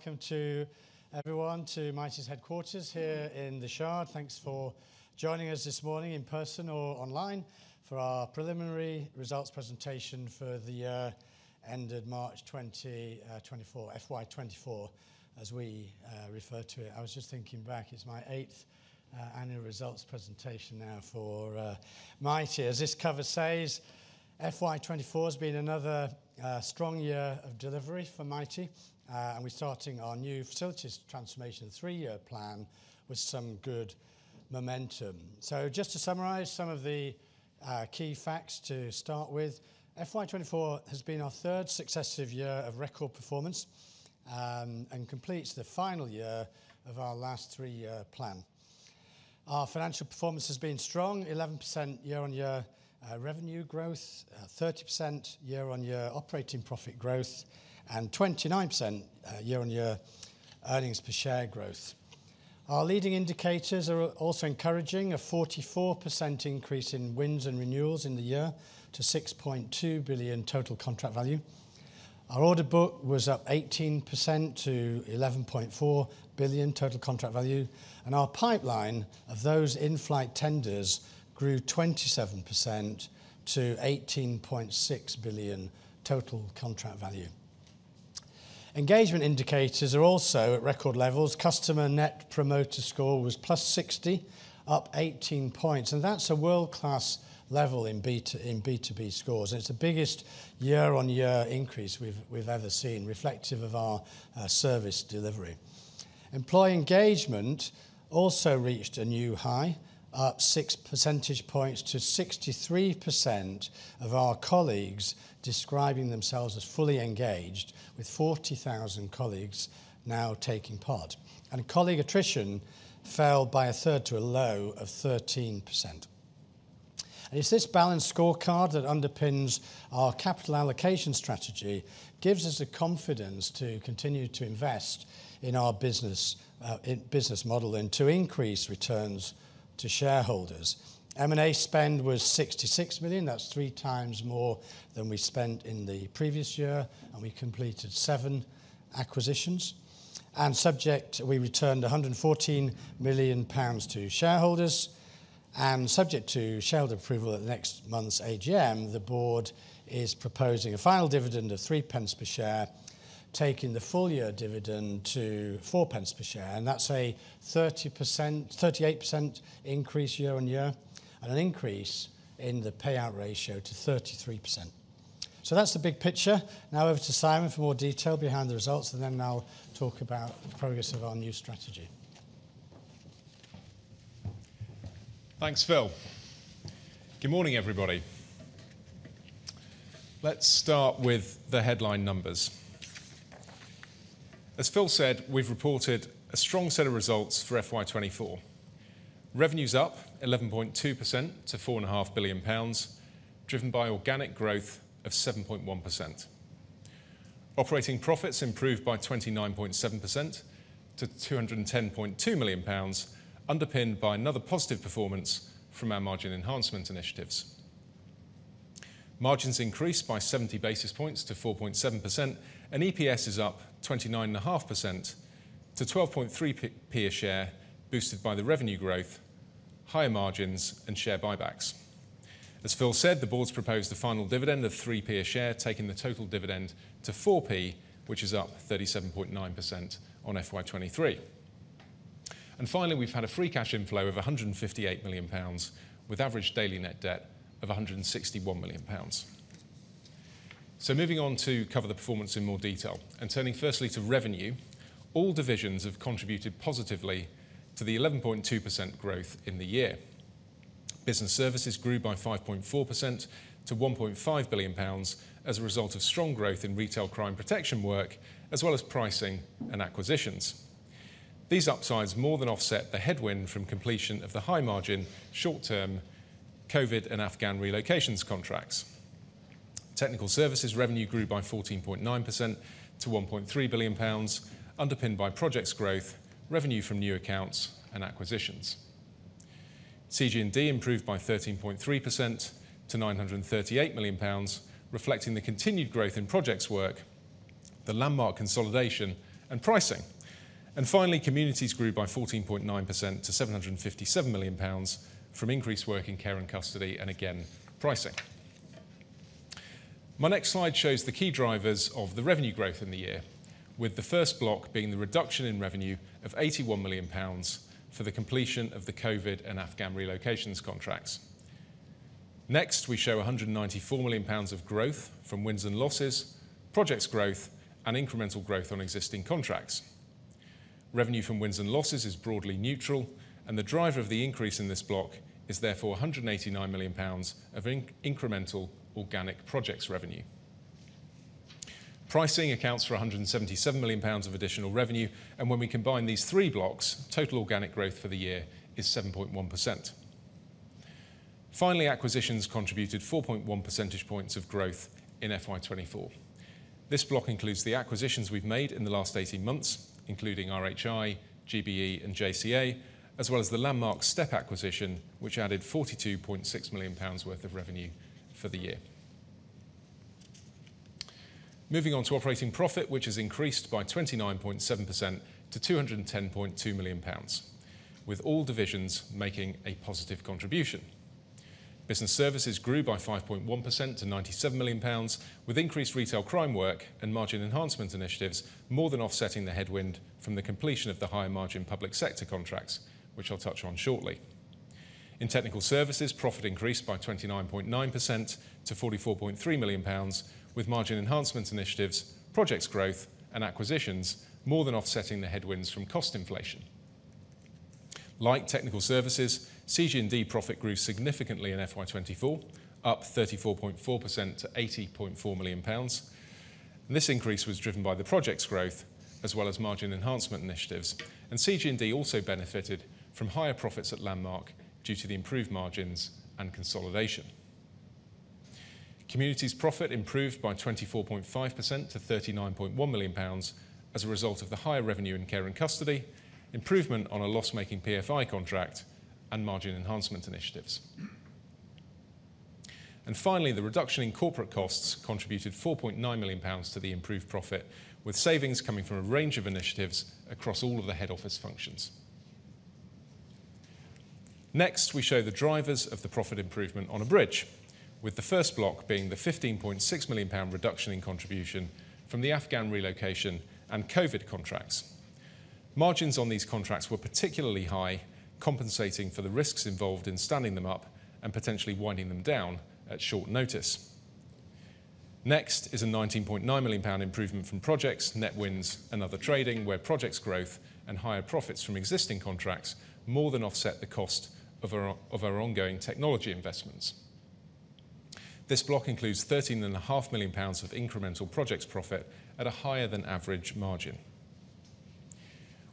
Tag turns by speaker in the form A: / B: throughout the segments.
A: Welcome to everyone to Mitie's headquarters here in The Shard. Thanks for joining us this morning in person or online for our preliminary results presentation for the year ended March 20, 2024, FY 2024, as we refer to it. I was just thinking back, it's my eighth annual results presentation now for Mitie. As this cover says, FY 2024 has been another strong year of delivery for Mitie, and we're starting our new Facilities Transformation three-year plan with some good momentum. So just to summarize some of the key facts to start with, FY 2024 has been our third successive year of record performance, and completes the final year of our last three-year plan. Our financial performance has been strong, 11% year-on-year revenue growth, 30% year-on-year operating profit growth, and 29% year-on-year earnings per share growth. Our leading indicators are also encouraging, a 44% increase in wins and renewals in the year to 6.2 billion total contract value. Our order book was up 18% to 11.4 billion total contract value, and our pipeline of those in-flight tenders grew 27% to 18.6 billion total contract value. Engagement indicators are also at record levels. Customer Net Promoter Score was +60, up 18 points, and that's a world-class level in B2B scores. It's the biggest year-on-year increase we've ever seen, reflective of our service delivery. Employee engagement also reached a new high, up six percentage points to 63% of our colleagues describing themselves as fully engaged, with 40,000 colleagues now taking part. And colleague attrition fell by a third to a low of 13%. It's this balanced scorecard that underpins our capital allocation strategy, gives us the confidence to continue to invest in our business, in business model and to increase returns to shareholders. M&A spend was 66 million. That's three times more than we spent in the previous year, and we completed seven acquisitions. And subject, we returned 114 million pounds to shareholders, and subject to shareholder approval at next month's AGM, the board is proposing a final dividend of three pence per share, taking the full-year dividend to four pence per share, and that's a 30%-38% increase year-on-year and an increase in the payout ratio to 33%. So that's the big picture. Now over to Simon for more detail behind the results, and then I'll talk about the progress of our new strategy.
B: Thanks, Phil. Good morning, everybody. Let's start with the headline numbers. As Phil said, we've reported a strong set of results for FY 2024. Revenue's up 11.2% to 4.5 billion pounds, driven by organic growth of 7.1%. Operating profits improved by 29.7% to 210.2 million pounds, underpinned by another positive performance from our margin enhancement initiatives. Margins increased by 70 basis points to 4.7%, and EPS is up 29.5% to 12.3p a share, boosted by the revenue growth, higher margins, and share buybacks. As Phil said, the board's proposed a final dividend of 3p a share, taking the total dividend to 4p, which is up 37.9% on FY 2023. And finally, we've had a free cash inflow of 158 million pounds, with average daily net debt of 161 million pounds. So moving on to cover the performance in more detail, and turning firstly to revenue, all divisions have contributed positively to the 11.2% growth in the year. Business services grew by 5.4% to 1.5 billion pounds as a result of strong growth in retail crime protection work, as well as pricing and acquisitions. These upsides more than offset the headwind from completion of the high-margin, short-term COVID and Afghan relocations contracts. Technical services revenue grew by 14.9% to 1.3 billion pounds, underpinned by projects growth, revenue from new accounts, and acquisitions. CG&D improved by 13.3% to 938 million pounds, reflecting the continued growth in projects work, the Landmarc consolidation, and pricing. Finally, communities grew by 14.9% to 757 million pounds from increased work in care and custody and, again, pricing. My next slide shows the key drivers of the revenue growth in the year, with the first block being the reduction in revenue of 81 million pounds for the completion of the COVID and Afghan relocations contracts. Next, we show 194 million pounds of growth from wins and losses, projects growth, and incremental growth on existing contracts. Revenue from wins and losses is broadly neutral, and the driver of the increase in this block is therefore 189 million pounds of incremental organic projects revenue. Pricing accounts for 177 million pounds of additional revenue, and when we combine these three blocks, total organic growth for the year is 7.1%. Finally, acquisitions contributed 4.1 percentage points of growth in FY 2024. This block includes the acquisitions we've made in the last 18 months, including RHI, GBE, and JCA, as well as the Landmarc acquisition, which added 42.6 million pounds worth of revenue for the year. Moving on to operating profit, which has increased by 29.7% to 210.2 million pounds, with all divisions making a positive contribution. Business services grew by 5.1% to 97 million pounds, with increased retail crime work and margin enhancement initiatives, more than offsetting the headwind from the completion of the high-margin public sector contracts, which I'll touch on shortly. In technical services, profit increased by 29.9% to 44.3 million pounds, with margin enhancement initiatives, projects growth, and acquisitions, more than offsetting the headwinds from cost inflation. Like technical services, CG&D profit grew significantly in FY 2024, up 34.4% to 80.4 million pounds. This increase was driven by the project's growth, as well as margin enhancement initiatives. CG&D also benefited from higher profits at Landmarc due to the improved margins and consolidation. Communities profit improved by 24.5% to 39.1 million pounds as a result of the higher revenue in care and custody, improvement on a loss-making PFI contract, and margin enhancement initiatives. Finally, the reduction in corporate costs contributed 4.9 million pounds to the improved profit, with savings coming from a range of initiatives across all of the head office functions. Next, we show the drivers of the profit improvement on a bridge, with the first block being the 15.6 million pound reduction in contribution from the Afghan relocation and COVID contracts. Margins on these contracts were particularly high, compensating for the risks involved in standing them up and potentially winding them down at short notice. Next is a 19.9 million pound improvement from projects, net wins and other trading, where projects growth and higher profits from existing contracts more than offset the cost of our ongoing technology investments. This block includes 13.5 million pounds of incremental projects profit at a higher than average margin.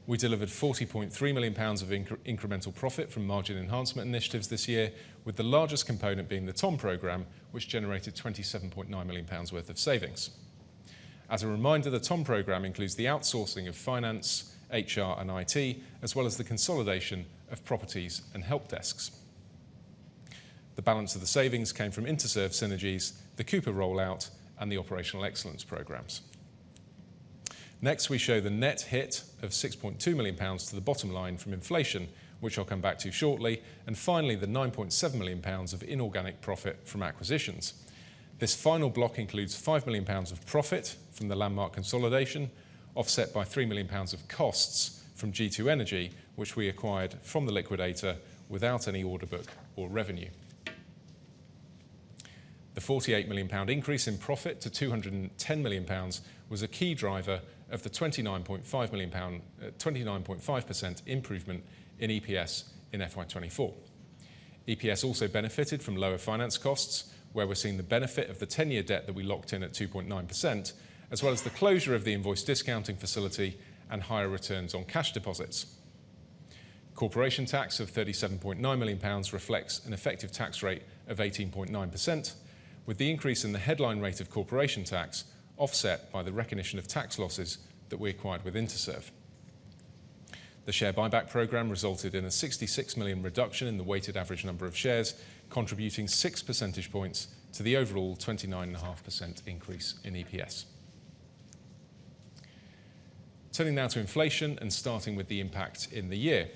B: We delivered 40.3 million pounds of incremental profit from margin enhancement initiatives this year, with the largest component being the TOM program, which generated 27.9 million pounds worth of savings. As a reminder, the TOM Programme includes the outsourcing of finance, HR, and IT, as well as the consolidation of properties and help desks. The balance of the savings came from Interserve synergies, the Coupa rollout, and the operational excellence programs. Next, we show the net hit of 6.2 million pounds to the bottom line from inflation, which I'll come back to shortly, and finally, the 9.7 million pounds of inorganic profit from acquisitions. This final block includes 5 million pounds of profit from the Landmarc consolidation, offset by 3 million pounds of costs from G2 Energy, which we acquired from the liquidator without any order book or revenue. The 48 million pound increase in profit to 210 million pounds was a key driver of the 29.5% improvement in EPS in FY 2024. EPS also benefited from lower finance costs, where we're seeing the benefit of the 10-year debt that we locked in at 2.9%, as well as the closure of the invoice discounting facility and higher returns on cash deposits. Corporation tax of 37.9 million pounds reflects an effective tax rate of 18.9%, with the increase in the headline rate of corporation tax offset by the recognition of tax losses that we acquired with Interserve. The share buyback program resulted in a 66 million reduction in the weighted average number of shares, contributing six percentage points to the overall 29.5% increase in EPS. Turning now to inflation and starting with the impact in the year.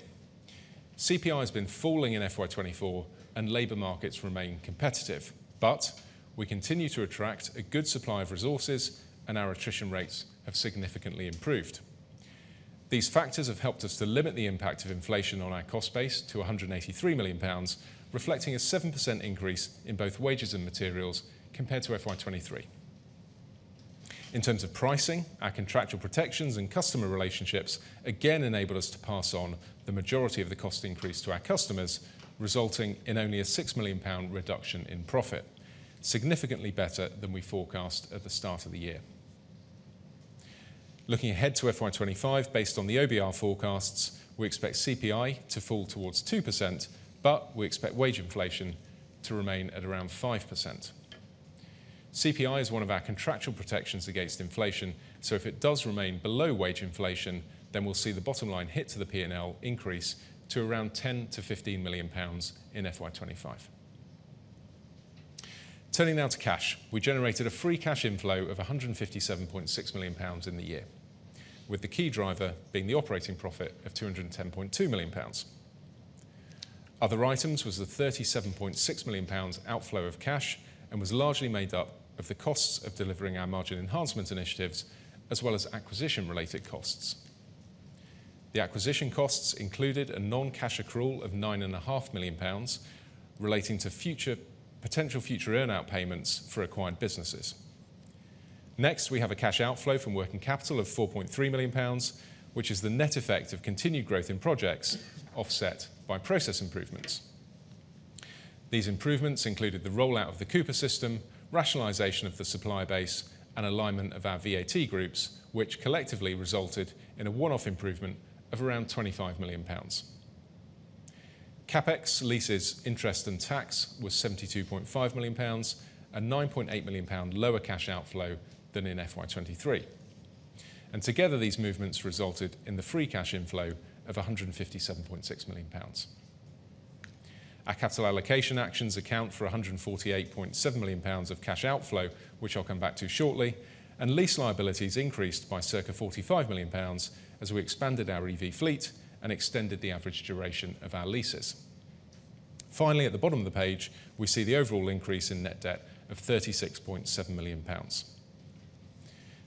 B: CPI has been falling in FY 2024 and labor markets remain competitive, but we continue to attract a good supply of resources, and our attrition rates have significantly improved. These factors have helped us to limit the impact of inflation on our cost base to 183 million pounds, reflecting a 7% increase in both wages and materials compared to FY 2023. In terms of pricing, our contractual protections and customer relationships again enable us to pass on the majority of the cost increase to our customers, resulting in only a 6 million pound reduction in profit, significantly better than we forecast at the start of the year. Looking ahead to FY 2025, based on the OBR forecasts, we expect CPI to fall towards 2%, but we expect wage inflation to remain at around 5%. CPI is one of our contractual protections against inflation, so if it does remain below wage inflation, then we'll see the bottom line hit to the P&L increase to around 10 million-15 million pounds in FY 2025. Turning now to cash. We generated a free cash inflow of 157.6 million pounds in the year, with the key driver being the operating profit of 210.2 million pounds. Other items was the 37.6 million pounds outflow of cash and was largely made up of the costs of delivering our margin enhancement initiatives, as well as acquisition-related costs. The acquisition costs included a non-cash accrual of 9.5 million pounds, relating to future potential future earn out payments for acquired businesses. Next, we have a cash outflow from working capital of 4.3 million pounds, which is the net effect of continued growth in projects, offset by process improvements. These improvements included the rollout of the Coupa system, rationalization of the supply base, and alignment of our VAT groups, which collectively resulted in a one-off improvement of around 25 million pounds. CapEx, leases, interest, and tax was 72.5 million pounds, and 9.8 million pound lower cash outflow than in FY 2023. Together, these movements resulted in the free cash inflow of 157.6 million pounds. Our capital allocation actions account for 148.7 million pounds of cash outflow, which I'll come back to shortly, and lease liabilities increased by circa 45 million pounds as we expanded our EV fleet and extended the average duration of our leases. Finally, at the bottom of the page, we see the overall increase in net debt of 36.7 million pounds.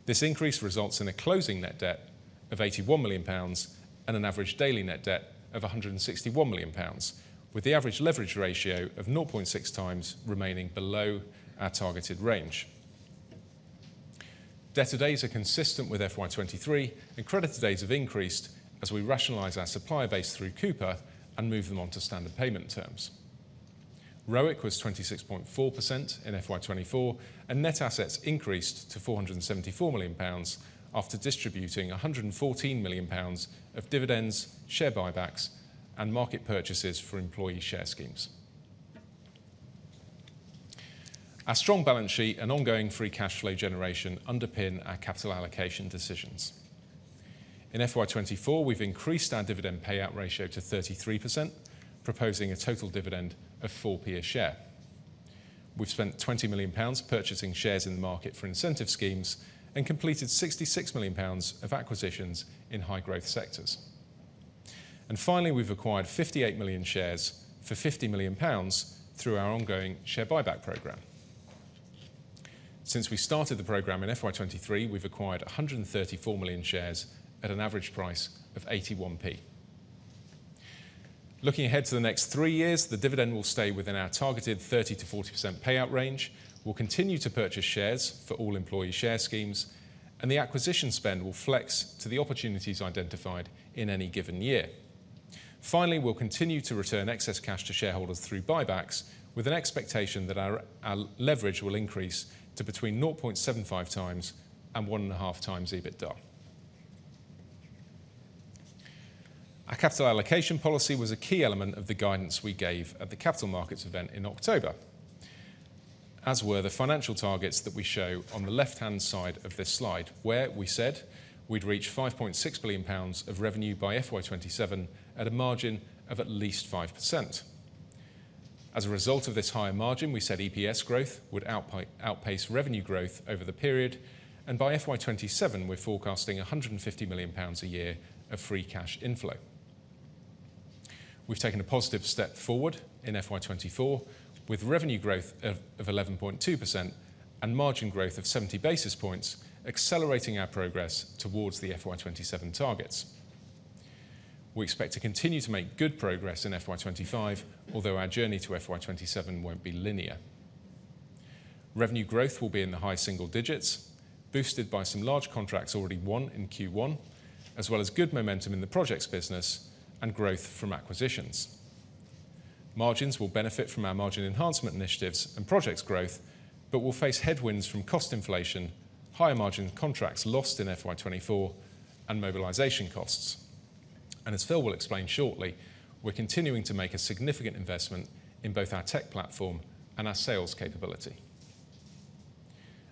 B: This increase results in a closing net debt of 81 million pounds and an average daily net debt of 161 million pounds, with the average leverage ratio of 0.6 times remaining below our targeted range. Debtor days are consistent with FY 2023, and creditor days have increased as we rationalize our supplier base through Coupa and move them onto standard payment terms. ROIC was 26.4% in FY 2024, and net assets increased to 474 million pounds after distributing 114 million pounds of dividends, share buybacks, and market purchases for employee share schemes. Our strong balance sheet and ongoing free cash flow generation underpin our capital allocation decisions. In FY 2024, we've increased our dividend payout ratio to 33%, proposing a total dividend of 4p a share. We've spent 20 million pounds purchasing shares in the market for incentive schemes and completed 66 million pounds of acquisitions in high-growth sectors. And finally, we've acquired 58 million shares for 50 million pounds through our ongoing share buyback program. Since we started the program in FY 2023, we've acquired 134 million shares at an average price of 81p. Looking ahead to the next three years, the dividend will stay within our targeted 30%-40% payout range. We'll continue to purchase shares for all employee share schemes, and the acquisition spend will flex to the opportunities identified in any given year. Finally, we'll continue to return excess cash to shareholders through buybacks, with an expectation that our leverage will increase to between 0.75x and 1.5x EBITDA. Our capital allocation policy was a key element of the guidance we gave at the capital markets event in October, as were the financial targets that we show on the left-hand side of this slide, where we said we'd reach 5.6 billion pounds of revenue by FY 2027 at a margin of at least 5%. As a result of this higher margin, we said EPS growth would outpace revenue growth over the period, and by FY 2027, we're forecasting 150 million pounds a year of free cash inflow. We've taken a positive step forward in FY 2024, with revenue growth of 11.2% and margin growth of seventy basis points, accelerating our progress towards the FY 2027 targets. We expect to continue to make good progress in FY 2025, although our journey to FY 2027 won't be linear. Revenue growth will be in the high single digits, boosted by some large contracts already won in Q1, as well as good momentum in the projects business and growth from acquisitions. Margins will benefit from our margin enhancement initiatives and projects growth, but will face headwinds from cost inflation, higher margin contracts lost in FY 2024, and mobilization costs. And as Phil will explain shortly, we're continuing to make a significant investment in both our tech platform and our sales capability.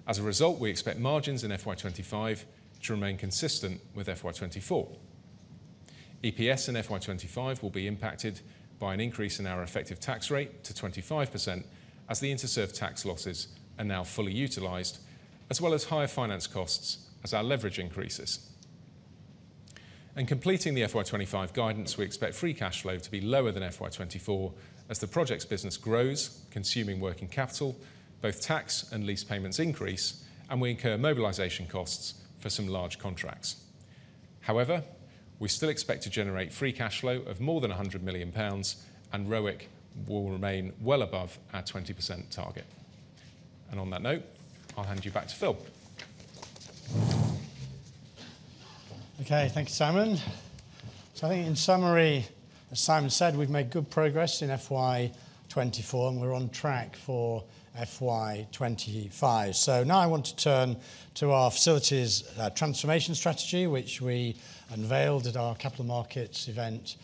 B: As a result, we expect margins in FY 2025 to remain consistent with FY 2024. EPS in FY 2025 will be impacted by an increase in our effective tax rate to 25%, as the Interserve tax losses are now fully utilized, as well as higher finance costs as our leverage increases. In completing the FY 2025 guidance, we expect free cash flow to be lower than FY 2024 as the projects business grows, consuming working capital, both tax and lease payments increase, and we incur mobilization costs for some large contracts. However, we still expect to generate free cash flow of more than 100 million pounds, and ROIC will remain well above our 20% target. And on that note, I'll hand you back to Phil.
A: Okay, thank you, Simon. So I think in summary, as Simon said, we've made good progress in FY 2024, and we're on track for FY 2025. So now I want to turn to our Facilities Transformation strategy, which we unveiled at our capital markets event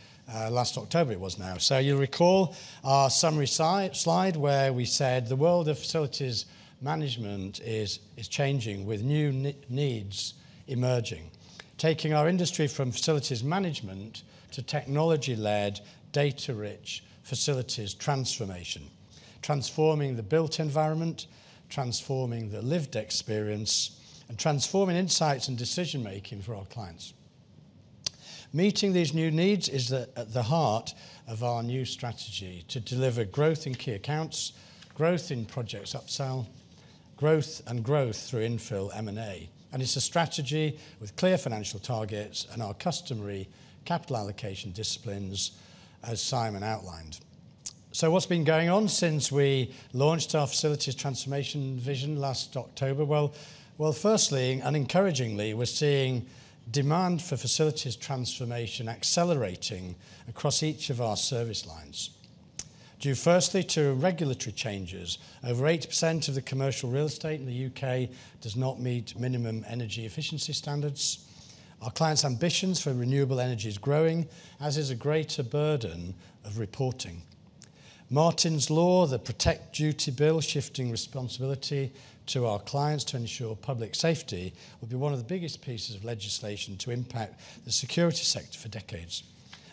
A: last October, it was now. So you'll recall our summary slide, where we said the world of facilities management is changing with new needs emerging, taking our industry from facilities management to technology-led, data-rich Facilities Transformation, transforming the built environment, transforming the lived experience, and transforming insights and decision-making for our clients. Meeting these new needs is at the heart of our new strategy to deliver growth in key accounts, growth in projects upsell, growth and growth through infill M&A, and it's a strategy with clear financial targets and our customary capital allocation disciplines, as Simon outlined. So what's been going on since we launched our Facilities Transformation vision last October? Well, well, firstly, and encouragingly, we're seeing demand for Facilities Transformation accelerating across each of our service lines, due firstly to regulatory changes. Over 80% of the commercial real estate in the U.K. does not meet minimum energy efficiency standards. Our clients' ambitions for renewable energy is growing, as is a greater burden of reporting. Martyn's Law, the Protect Duty Bill, shifting responsibility to our clients to ensure public safety, will be one of the biggest pieces of legislation to impact the security sector for decades,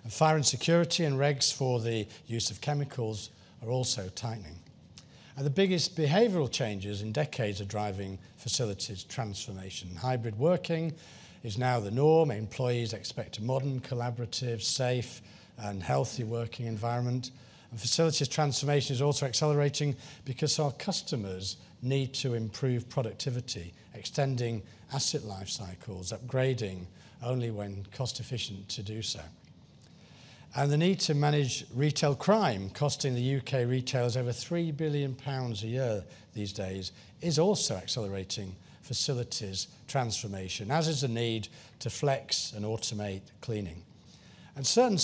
A: and fire and security and regs for the use of chemicals are also tightening. And the biggest behavioral changes in decades are driving Facilities Transformation. Hybrid working is now the norm. Employees expect a modern, collaborative, safe, and healthy working environment. Facilities Transformation is also accelerating because our customers need to improve productivity, extending asset life cycles, upgrading only when cost efficient to do so. The need to manage retail crime, costing the U.K. retailers over 3 billion pounds a year these days, is also accelerating Facilities Transformation, as is the need to flex and automate cleaning. And finally,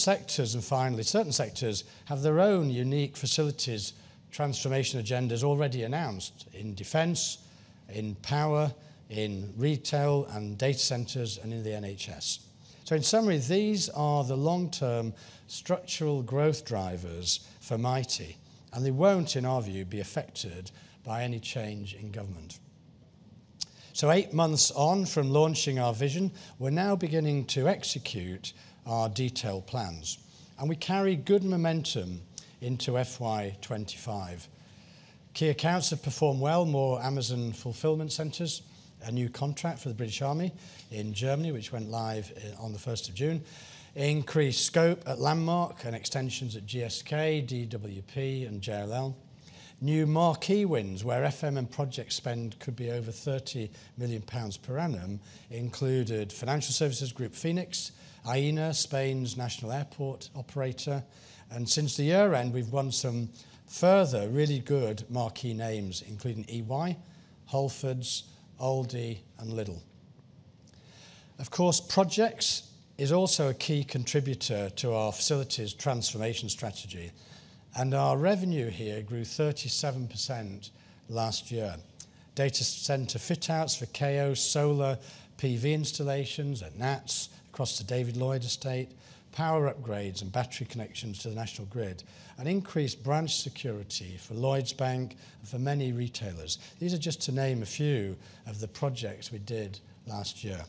A: certain sectors have their own unique Facilities Transformation agendas already announced in defence, in power, in retail and data centers, and in the NHS. So in summary, these are the long-term structural growth drivers for Mitie, and they won't, in our view, be affected by any change in government. So eight months on from launching our vision, we're now beginning to execute our detailed plans, and we carry good momentum into FY 2025. Key accounts have performed well, more Amazon fulfillment centers, a new contract for the British Army in Germany, which went live on the first of June. Increased scope at Landmarc and extensions at GSK, DWP, and JLL. New marquee wins, where FM and project spend could be over 30 million pounds per annum, included financial services group Phoenix, Aena, Spain's national airport operator, and since the year-end, we've won some further really good marquee names, including EY, Halfords, Aldi, and Lidl. Of course, projects is also a key contributor to our Facilities Transformation strategy, and our revenue here grew 37% last year. Data center fit outs for Kao Data, solar PV installations at NATS, across the David Lloyd Estate, power upgrades and battery connections to the National Grid, and increased branch security for Lloyds Bank and for many retailers. These are just to name a few of the projects we did last year.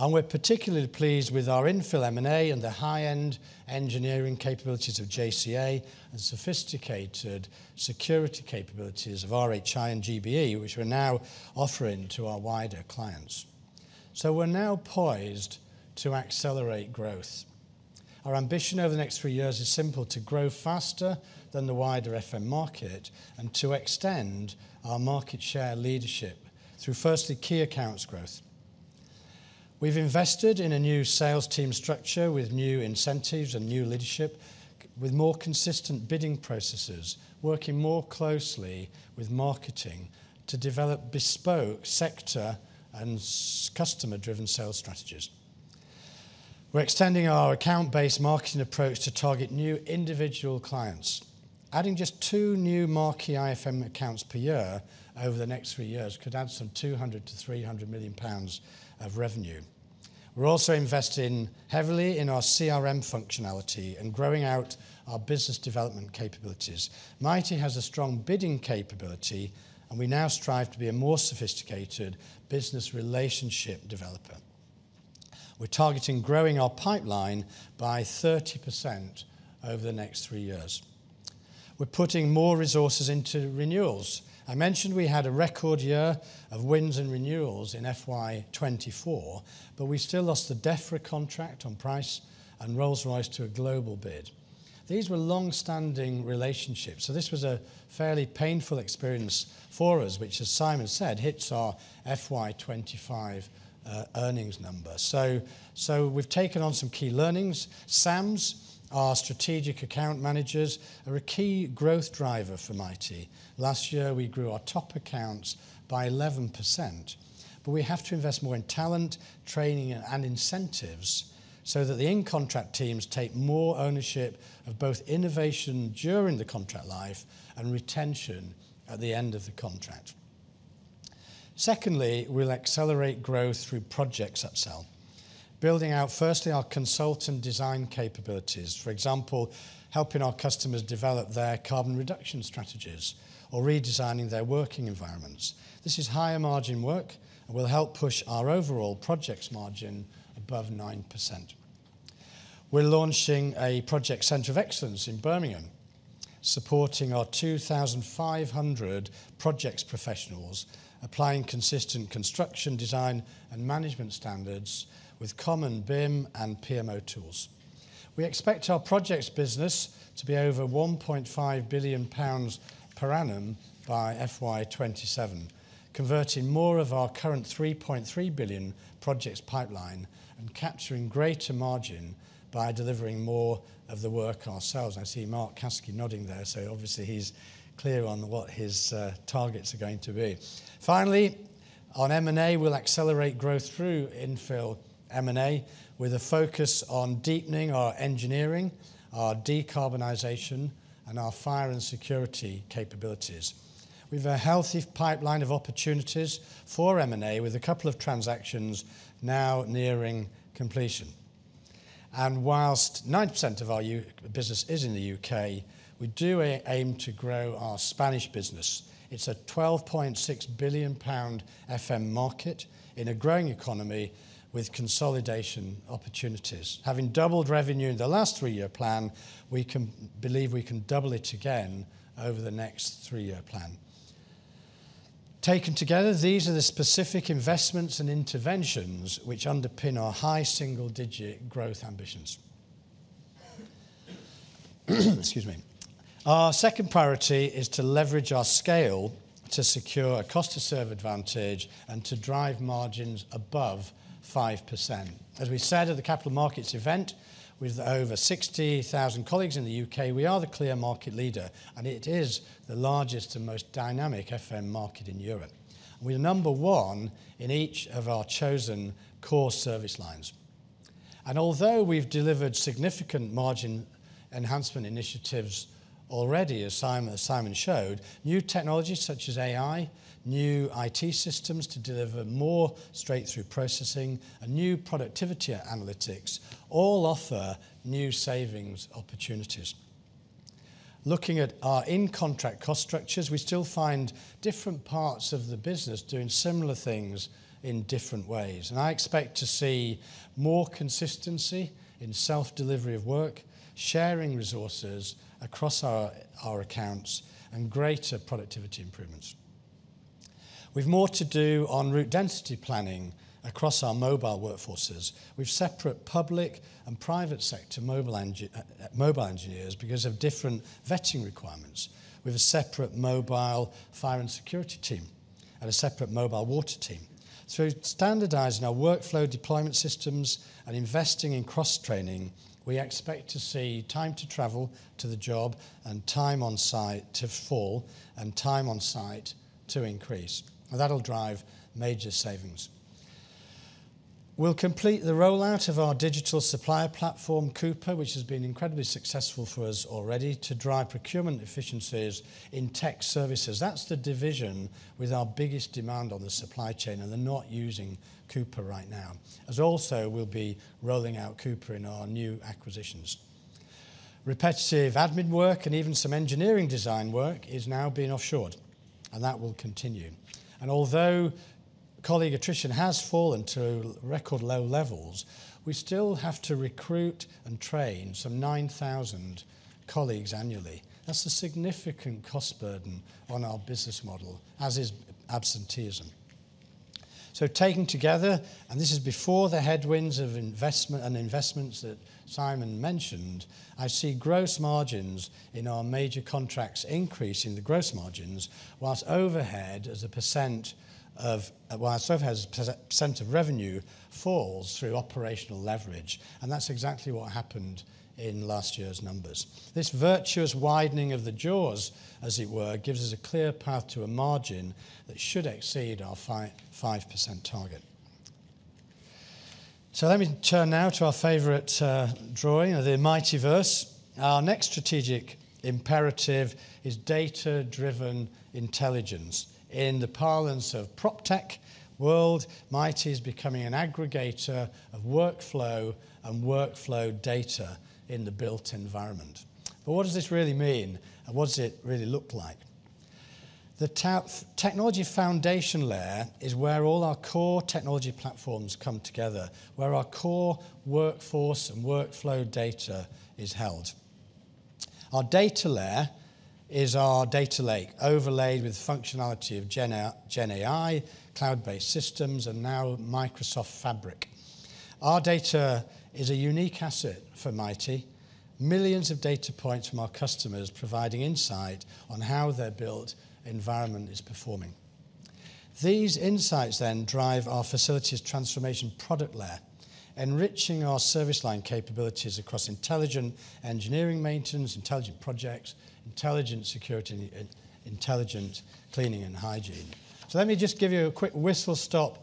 A: We're particularly pleased with our infill M&A and the high-end engineering capabilities of JCA and sophisticated security capabilities of RHI and GBE, which we're now offering to our wider clients. We're now poised to accelerate growth. Our ambition over the next three years is simple: to grow faster than the wider FM market and to extend our market share leadership through, firstly, key accounts growth. We've invested in a new sales team structure with new incentives and new leadership, with more consistent bidding processes, working more closely with marketing to develop bespoke sector and customer-driven sales strategies. We're extending our account-based marketing approach to target new individual clients. Adding just two new marquee IFM accounts per year over the next three years could add some 200 million-300 million pounds of revenue. We're also investing heavily in our CRM functionality and growing out our business development capabilities. Mitie has a strong bidding capability, and we now strive to be a more sophisticated business relationship developer. We're targeting growing our pipeline by 30% over the next three years. We're putting more resources into renewals. I mentioned we had a record year of wins and renewals in FY 2024, but we still lost the DEFRA contract on price and Rolls-Royce to a global bid. These were long-standing relationships, so this was a fairly painful experience for us, which, as Simon said, hits our FY 2025 earnings number. So, so we've taken on some key learnings. SAMs, our strategic account managers, are a key growth driver for Mitie. Last year, we grew our top accounts by 11%, but we have to invest more in talent, training, and incentives so that the in-contract teams take more ownership of both innovation during the contract life and retention at the end of the contract. Secondly, we'll accelerate growth through projects upsell, building out, firstly, our consult and design capabilities. For example, helping our customers develop their carbon reduction strategies or redesigning their working environments. This is higher margin work and will help push our overall projects margin above 9%. We're launching a project center of excellence in Birmingham, supporting our 2,500 projects professionals, applying consistent construction, design, and management standards with common BIM and PMO tools. We expect our projects business to be over 1.5 billion pounds per annum by FY 2027, converting more of our current 3.3 billion projects pipeline and capturing greater margin by delivering more of the work ourselves. I see Mark Caskey nodding there, so obviously he's clear on what his targets are going to be. Finally, on M&A, we'll accelerate growth through infill M&A, with a focus on deepening our engineering, our decarbonization, and our fire and security capabilities. We've a healthy pipeline of opportunities for M&A, with a couple of transactions now nearing completion. While 90% of our U.K. business is in the U.K., we do aim to grow our Spanish business. It's a 12.6 billion pound FM market in a growing economy with consolidation opportunities. Having doubled revenue in the last three-year plan, we can believe we can double it again over the next three-year plan... Taken together, these are the specific investments and interventions which underpin our high single-digit growth ambitions. Excuse me. Our second priority is to leverage our scale to secure a cost-to-serve advantage and to drive margins above 5%. As we said at the capital markets event, with over 60,000 colleagues in the U.K., we are the clear market leader, and it is the largest and most dynamic FM market in Europe. We're number one in each of our chosen core service lines. And although we've delivered significant margin enhancement initiatives already, as Simon, as Simon showed, new technologies such as AI, new IT systems to deliver more straight-through processing, and new productivity analytics all offer new savings opportunities. Looking at our in-contract cost structures, we still find different parts of the business doing similar things in different ways, and I expect to see more consistency in self-delivery of work, sharing resources across our, our accounts, and greater productivity improvements. We've more to do on route density planning across our mobile workforces. We've separate public and private sector mobile engineers because of different vetting requirements. We have a separate mobile fire and security team and a separate mobile water team. Through standardizing our workflow deployment systems and investing in cross-training, we expect to see time to travel to the job and time on site to fall and time on site to increase, and that'll drive major savings. We'll complete the rollout of our digital supplier platform, Coupa which has been incredibly successful for us already, to drive procurement efficiencies in tech services. That's the division with our biggest demand on the supply chain, and they're not using Coupa right now. As also, we'll be rolling out Coupa in our new acquisitions. Repetitive admin work and even some engineering design work is now being offshored, and that will continue. And although colleague attrition has fallen to record low levels, we still have to recruit and train some 9,000 colleagues annually. That's a significant cost burden on our business model, as is absenteeism. So taken together, and this is before the headwinds of investment and investments that Simon mentioned, I see gross margins in our major contracts increase in the gross margins, while overhead as a percent of, while overhead as a percent of revenue falls through operational leverage, and that's exactly what happened in last year's numbers. This virtuous widening of the jaws, as it were, gives us a clear path to a margin that should exceed our 5% target. So let me turn now to our favorite drawing, the Mitieverse. Our next strategic imperative is data-driven intelligence. In the parlance of propTech world, Mitie is becoming an aggregator of workflow and workflow data in the built environment. But what does this really mean, and what does it really look like? The technology foundation layer is where all our core technology platforms come together, where our core workforce and workflow data is held. Our data layer is our data lake, overlaid with functionality of Gen AI, cloud-based systems, and now Microsoft Fabric. Our data is a unique asset for Mitie. Millions of data points from our customers providing insight on how their built environment is performing. These insights then drive our Facilities Transformation product layer, enriching our service line capabilities across intelligent engineering maintenance, intelligent projects, intelligent security, and intelligent cleaning and hygiene. So let me just give you a quick whistlestop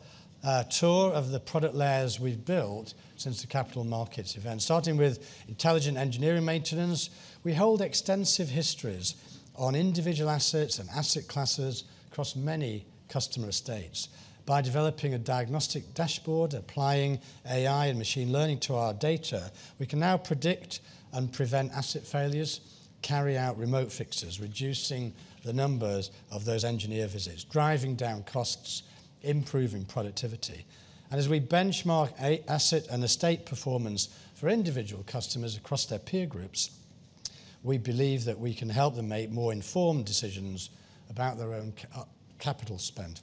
A: tour of the product layers we've built since the capital markets event. Starting with intelligent engineering maintenance, we hold extensive histories on individual assets and asset classes across many customer estates. By developing a diagnostic dashboard, applying AI and machine learning to our data, we can now predict and prevent asset failures, carry out remote fixes, reducing the numbers of those engineer visits, driving down costs, improving productivity. And as we benchmark asset and estate performance for individual customers across their peer groups, we believe that we can help them make more informed decisions about their own capital spend.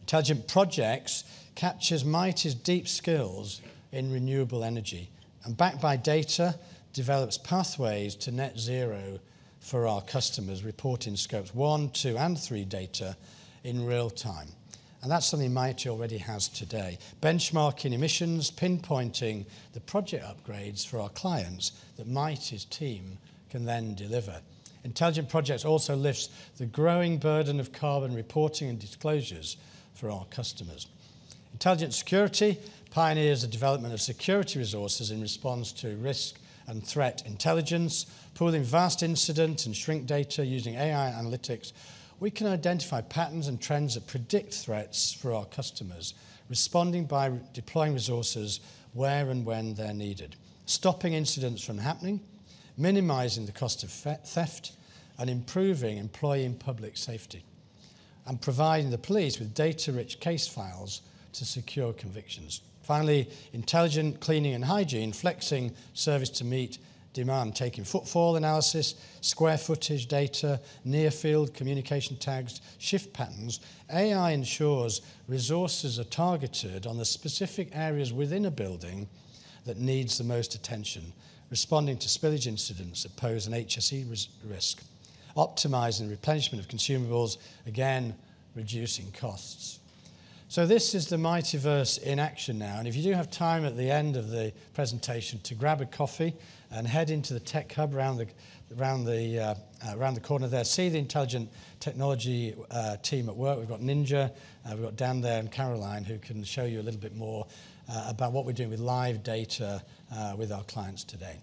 A: Intelligent Projects captures Mitie's deep skills in renewable energy, and backed by data, develops pathways to net zero for our customers, reporting Scope 1, 2, and 3 data in real time. That's something Mitie already has today. Benchmarking emissions, pinpointing the project upgrades for our clients that Mitie's team can then deliver. Intelligent Projects also lifts the growing burden of carbon reporting and disclosures for our customers. Intelligent Security pioneers the development of security resources in response to risk and threat intelligence. Pulling vast incident and shrink data using AI analytics, we can identify patterns and trends that predict threats for our customers, responding by deploying resources where and when they're needed, stopping incidents from happening, minimizing the cost of theft, and improving employee and public safety... and providing the police with data-rich case files to secure convictions. Finally, Intelligent Cleaning and Hygiene, flexing service to meet demand, taking footfall analysis, square footage data, near field communication tags, shift patterns. AI ensures resources are targeted on the specific areas within a building that needs the most attention, responding to spillage incidents that pose an HSE risk, optimizing replenishment of consumables, again, reducing costs. So this is the Mitieverse in action now, and if you do have time at the end of the presentation to grab a coffee and head into the tech hub around the corner there, see the Intelligent Technology team at work. We've got Ninja, we've got Dan there, and Caroline, who can show you a little bit more about what we're doing with live data with our clients today.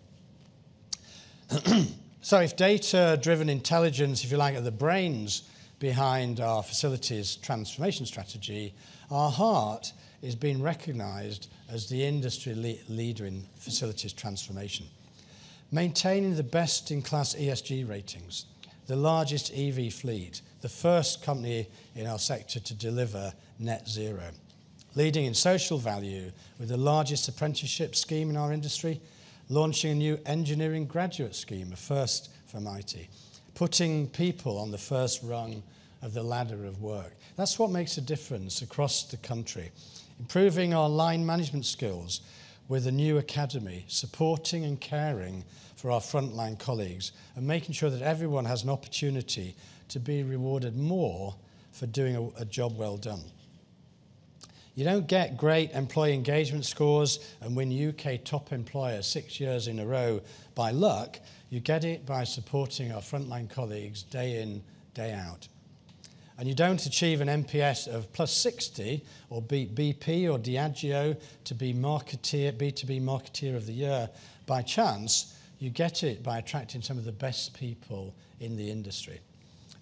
A: So if data-driven intelligence, if you like, are the brains behind our Facilities Transformation strategy, our heart is being recognized as the industry leader in Facilities Transformation. Maintaining the best-in-class ESG ratings, the largest EV fleet, the first company in our sector to deliver net zero. Leading in social value with the largest apprenticeship scheme in our industry, launching a new engineering graduate scheme, a first for Mitie, putting people on the first rung of the ladder of work. That's what makes a difference across the country, improving our line management skills with a new academy, supporting and caring for our frontline colleagues, and making sure that everyone has an opportunity to be rewarded more for doing a job well done. You don't get great employee engagement scores and win UK Top Employer six years in a row by luck. You get it by supporting our frontline colleagues day in, day out. And you don't achieve an NPS of +60 or beat BP or Diageo to be marketer, B2B marketer of the year by chance. You get it by attracting some of the best people in the industry.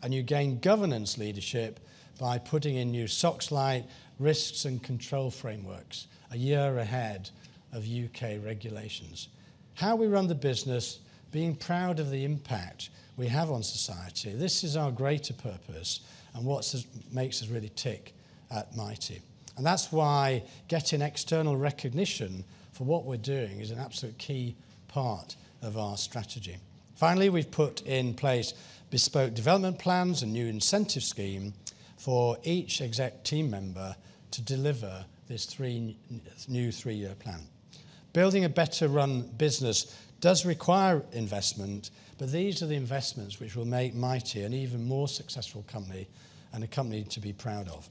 A: And you gain governance leadership by putting in new SOX-like risks and control frameworks a year ahead of U.K. regulations. How we run the business, being proud of the impact we have on society, this is our greater purpose and what makes us really tick at Mitie. And that's why getting external recognition for what we're doing is an absolute key part of our strategy. Finally, we've put in place bespoke development plans, a new incentive scheme for each exec team member to deliver this new three-year plan. Building a better-run business does require investment, but these are the investments which will make Mitie an even more successful company and a company to be proud of.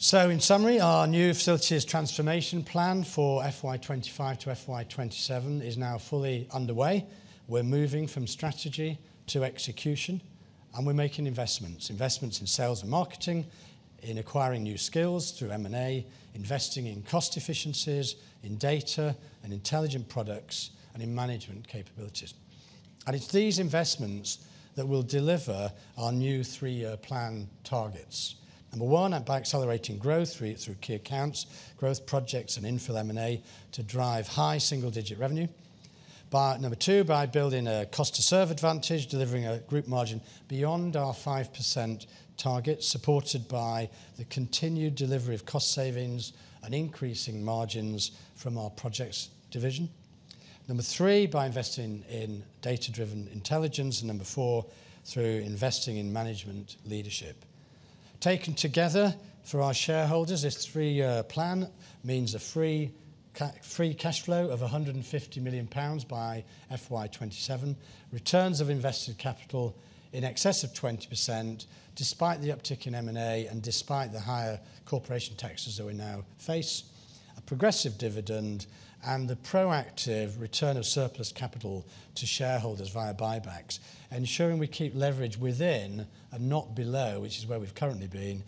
A: So in summary, our new Facilities Transformation plan for FY 2025 to FY 2027 is now fully underway. We're moving from strategy to execution, and we're making investments. Investments in sales and marketing, in acquiring new skills through M&A, investing in cost efficiencies, in data and intelligent products, and in management capabilities. And it's these investments that will deliver our new three-year plan targets. Number one, by accelerating growth through key accounts, growth projects, and infill M&A to drive high single-digit revenue. By number two, by building a cost-to-serve advantage, delivering a group margin beyond our 5% target, supported by the continued delivery of cost savings and increasing margins from our projects division. Number three, by investing in data-driven intelligence. And number four, through investing in management leadership. Taken together for our shareholders, this three-year plan means a free cash flow of 150 million pounds by FY 2027, returns of invested capital in excess of 20%, despite the uptick in M&A and despite the higher corporation taxes that we now face, a progressive dividend, and the proactive return of surplus capital to shareholders via buybacks, ensuring we keep leverage within and not below, which is where we've currently been,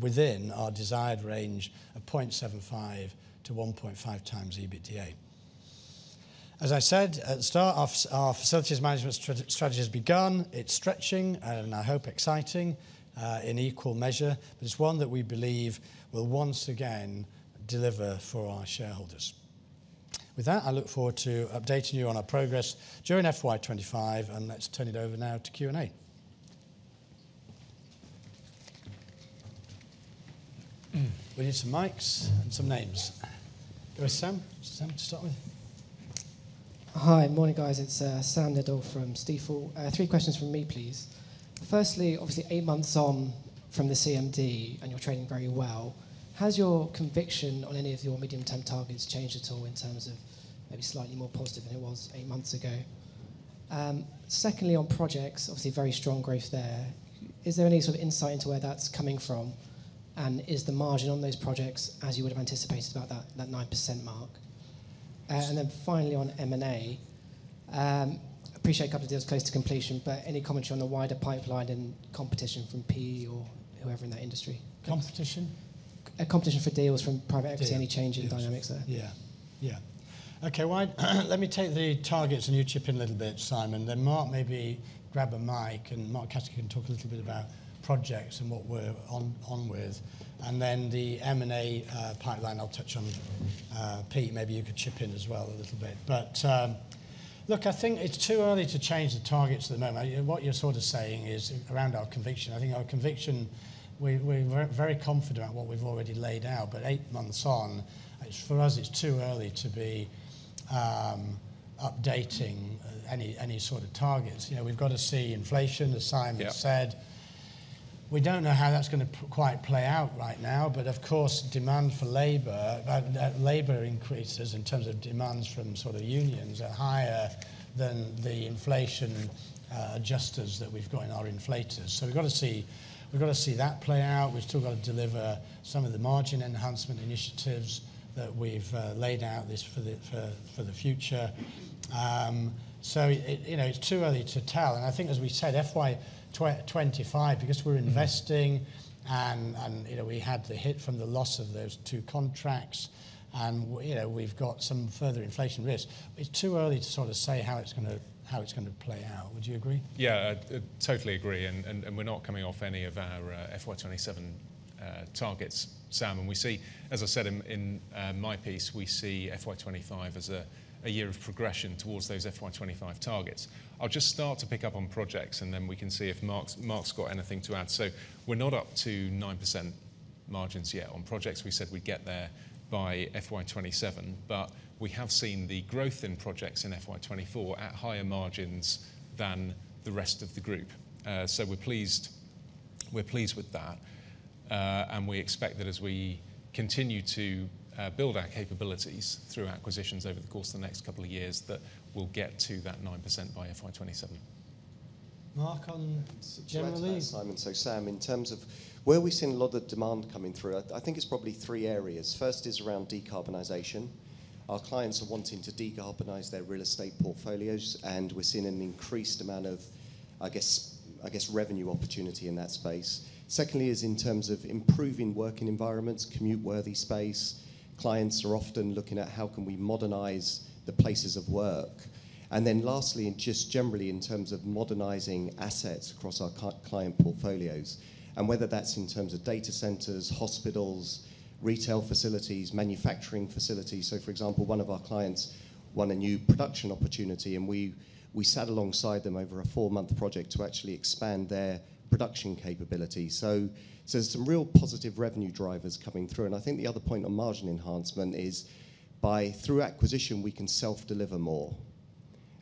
A: within our desired range of 0.75x-1.5x EBITDA. As I said at the start, our facilities management strategy has begun. It's stretching and, I hope, exciting, in equal measure, but it's one that we believe will once again deliver for our shareholders. With that, I look forward to updating you on our progress during FY 2025, and let's turn it over now to Q&A. We need some mics and some names. There's Sam. Sam, to start with.
C: Hi. Morning, guys, it's Sam Dindol from Stifel. Three questions from me, please. Firstly, obviously, eight months on from the CMD, and you're trading very well, has your conviction on any of your medium-term targets changed at all in terms of maybe slightly more positive than it was eight months ago? Secondly, on projects, obviously very strong growth there. Is there any sort of insight into where that's coming from, and is the margin on those projects as you would have anticipated, about that 9% mark? And then finally, on M&A, appreciate a couple of deals close to completion, but any commentary on the wider pipeline and competition from PE or whoever in that industry?
A: Competition?
C: Competition for deals from private equity.
A: Deals.
C: Any change in dynamics there?
A: Yeah, yeah. Okay. Let me take the targets, and you chip in a little bit, Simon. Then Mark, maybe grab a mic, and Mark Caskey can talk a little bit about projects and what we're on with, and then the M&A pipeline, I'll touch on. Pete, maybe you could chip in as well a little bit. But look, I think it's too early to change the targets at the moment. What you're sort of saying is around our conviction. I think our conviction, we're very confident about what we've already laid out, but eight months on, it's for us too early to be updating any sort of targets. You know, we've got to see inflation, as Simon said. We don't know how that's going to quite play out right now, but of course, demand for labor, labor increases in terms of demands from sort of unions are higher than the inflation adjusters that we've got in our inflators. So we've got to see, we've got to see that play out. We've still got to deliver some of the margin enhancement initiatives that we've laid out this for the, for, for the future. So it, you know, it's too early to tell, and I think, as we said, FY 2025, because we're investing and, and, you know, we had the hit from the loss of those two contracts, and, you know, we've got some further inflation risks. It's too early to sort of say how it's gonna, how it's gonna play out. Would you agree?
B: Yeah, I totally agree, and we're not coming off any of our FY 2027 targets, Sam. We see, as I said in my piece, FY 2025 as a year of progression towards those FY 2025 targets. I'll just start to pick up on projects, and then we can see if Mark's got anything to add. So we're not up to 9% margins yet on projects. We said we'd get there by FY 2027, but we have seen the growth in projects in FY 2024 at higher margins than the rest of the group. So we're pleased with that, and we expect that as we continue to build our capabilities through acquisitions over the course of the next couple of years, that we'll get to that 9% by FY 2027.
A: Mark, on generally-...
D: Simon. So, Sam, in terms of where we've seen a lot of demand coming through, I think it's probably three areas. First is around decarbonization. Our clients are wanting to decarbonize their real estate portfolios, and we're seeing an increased amount of, I guess, I guess, revenue opportunity in that space. Secondly is in terms of improving working environments, commute-worthy space. Clients are often looking at how can we modernize the places of work. And then lastly, and just generally in terms of modernizing assets across our client portfolios, and whether that's in terms of data centers, hospitals, retail facilities, manufacturing facilities. So, for example, one of our clients won a new production opportunity, and we sat alongside them over a four-month project to actually expand their production capability. So, there's some real positive revenue drivers coming through, and I think the other point on margin enhancement is by, through acquisition, we can self-deliver more.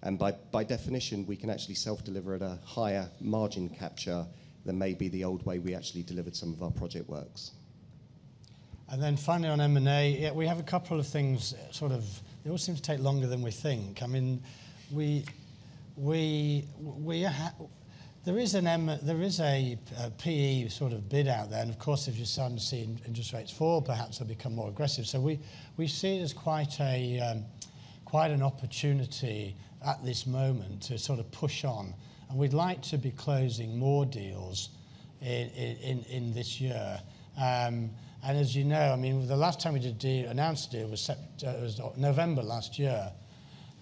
D: And by definition, we can actually self-deliver at a higher margin capture than maybe the old way we actually delivered some of our project works.
A: And then finally, on M&A, yeah, we have a couple of things, sort of. It all seems to take longer than we think. I mean, there is an M&A, there is a PE sort of bid out there, and of course, if you start to see interest rates fall, perhaps they'll become more aggressive. So we see it as quite a, quite an opportunity at this moment to sort of push on, and we'd like to be closing more deals in this year. And as you know, I mean, the last time we did a deal, announced a deal, was September—it was November last year.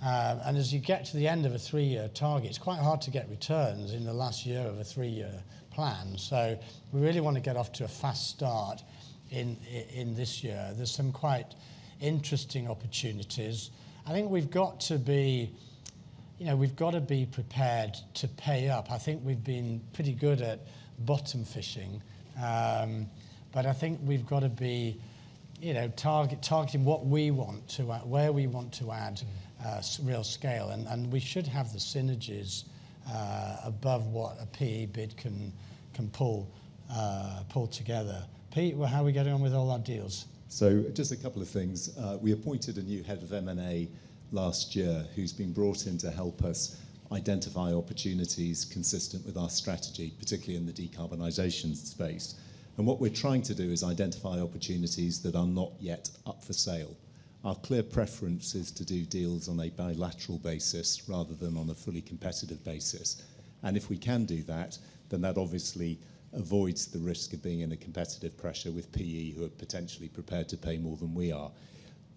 A: And as you get to the end of a three-year target, it's quite hard to get returns in the last year of a three-year plan. So we really want to get off to a fast start in this year. There's some quite interesting opportunities. I think we've got to be, you know, we've got to be prepared to pay up. I think we've been pretty good at bottom fishing, but I think we've got to be, you know, targeting what we want to add, where we want to add real scale. And we should have the synergies above what a PE bid can pull together. Pete, well, how are we getting on with all our deals?
E: So just a couple of things. We appointed a new head of M&A last year, who's been brought in to help us identify opportunities consistent with our strategy, particularly in the decarbonization space. And what we're trying to do is identify opportunities that are not yet up for sale. Our clear preference is to do deals on a bilateral basis rather than on a fully competitive basis. And if we can do that, then that obviously avoids the risk of being in a competitive pressure with PE, who are potentially prepared to pay more than we are.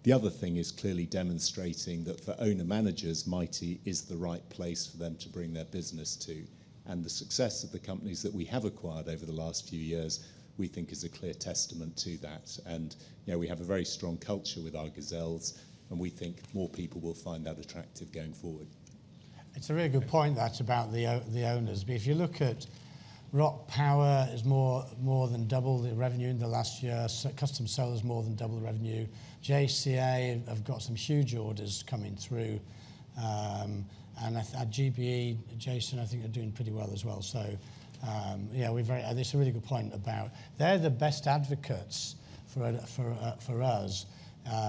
E: The other thing is clearly demonstrating that for owner-managers, Mitie is the right place for them to bring their business to, and the success of the companies that we have acquired over the last few years, we think is a clear testament to that. You know, we have a very strong culture with our Gazelles, and we think more people will find that attractive going forward.
A: It's a really good point, that, about the owners. But if you look at Rock Power, is more, more than double the revenue in the last year. So Custom Solar is more than double revenue. JCA have got some huge orders coming through, and at GBE, Jason, I think are doing pretty well as well. So, yeah, we're very, that's a really good point about they're the best advocates for, for, for us,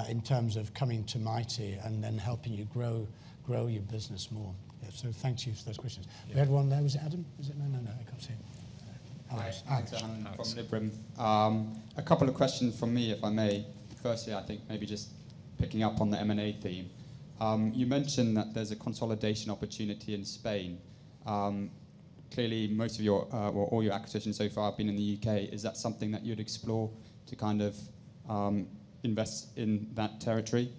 A: in terms of coming to Mitie and then helping you grow, grow your business more. So thank you for those questions.
E: Yeah.
A: We had one there. Was it Adam? Is it... No, no, no, I can't see him. Hi.
F: Hi, Adam from Liberum. A couple of questions from me, if I may. Firstly, I think maybe just picking up on the M&A theme. You mentioned that there's a consolidation opportunity in Spain. Clearly, most of your, or all your acquisitions so far have been in the U.K.. Is that something that you'd explore to kind of invest in that territory?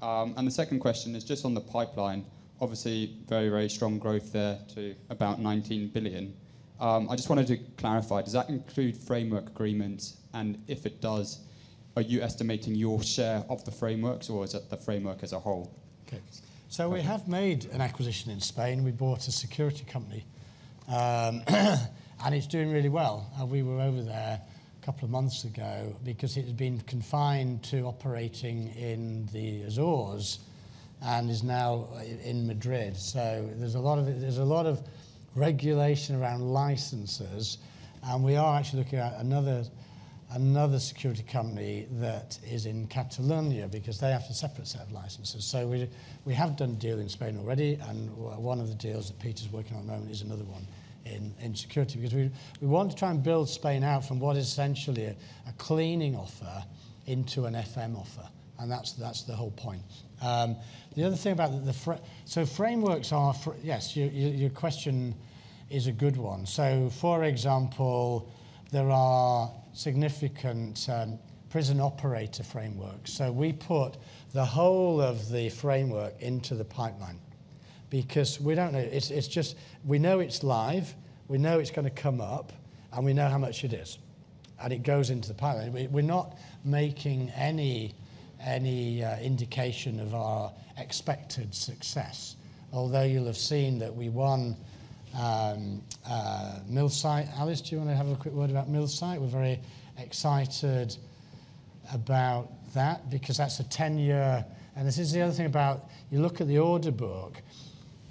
F: And the second question is just on the pipeline. Obviously, very, very strong growth there to about 19 billion. I just wanted to clarify, does that include framework agreements? And if it does, are you estimating your share of the frameworks, or is it the framework as a whole?
A: Okay. So we have made an acquisition in Spain. We bought a security company, and it's doing really well. And we were over there a couple of months ago because it had been confined to operating in the Azores and is now in Madrid. So there's a lot of regulation around licenses, and we are actually looking at another security company that is in Catalonia because they have a separate set of licenses. So we have done a deal in Spain already, and one of the deals that Peter's working on at the moment is another one in security. Because we want to try and build Spain out from what is essentially a cleaning offer into an FM offer, and that's the whole point. The other thing about the framework... Yes, your question is a good one. So for example, there are significant prison operator frameworks. So we put the whole of the framework into the pipeline because we don't know. It's just we know it's live, we know it's gonna come up, and we know how much it is, and it goes into the pipeline. We're not making any indication of our expected success. Although you'll have seen that we won Millsike. Alice, do you wanna have a quick word about Millsike? We're very excited about that because that's a 10-year. And this is the other thing about, you look at the order book,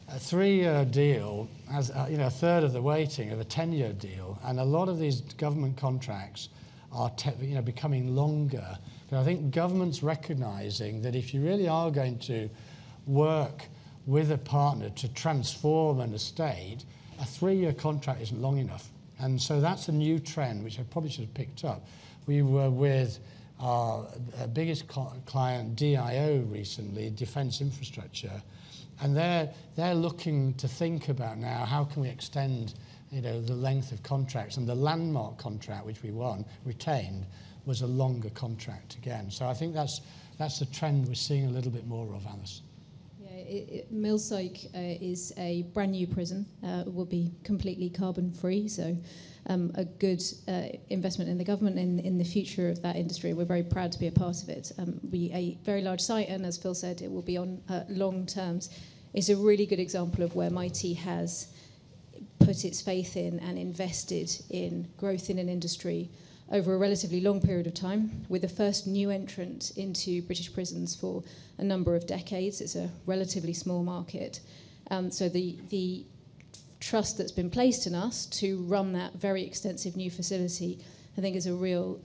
A: a three-year deal has, you know, 1/3 of the weighting of a 10-year deal, and a lot of these government contracts are, you know, becoming longer. I think government's recognizing that if you really are going to work with a partner to transform an estate, a three-year contract isn't long enough, and so that's a new trend, which I probably should have picked up. We were with our biggest client, DIO, recently, Defence Infrastructure, and they're looking to think about now, how can we extend, you know, the length of contracts? The Landmarc contract, which we won, retained, was a longer contract again. I think that's the trend we're seeing a little bit more of, Alice.
G: Yeah, Millsike is a brand-new prison. It will be completely carbon-free, so a good investment in the government in the future of that industry. We're very proud to be a part of it. Be a very large site, and as Phil said, it will be on long terms. It's a really good example of where Mitie has put its faith in and invested in growth in an industry over a relatively long period of time, with the first new entrant into British prisons for a number of decades. It's a relatively small market. So the trust that's been placed in us to run that very extensive new facility, I think, is a real,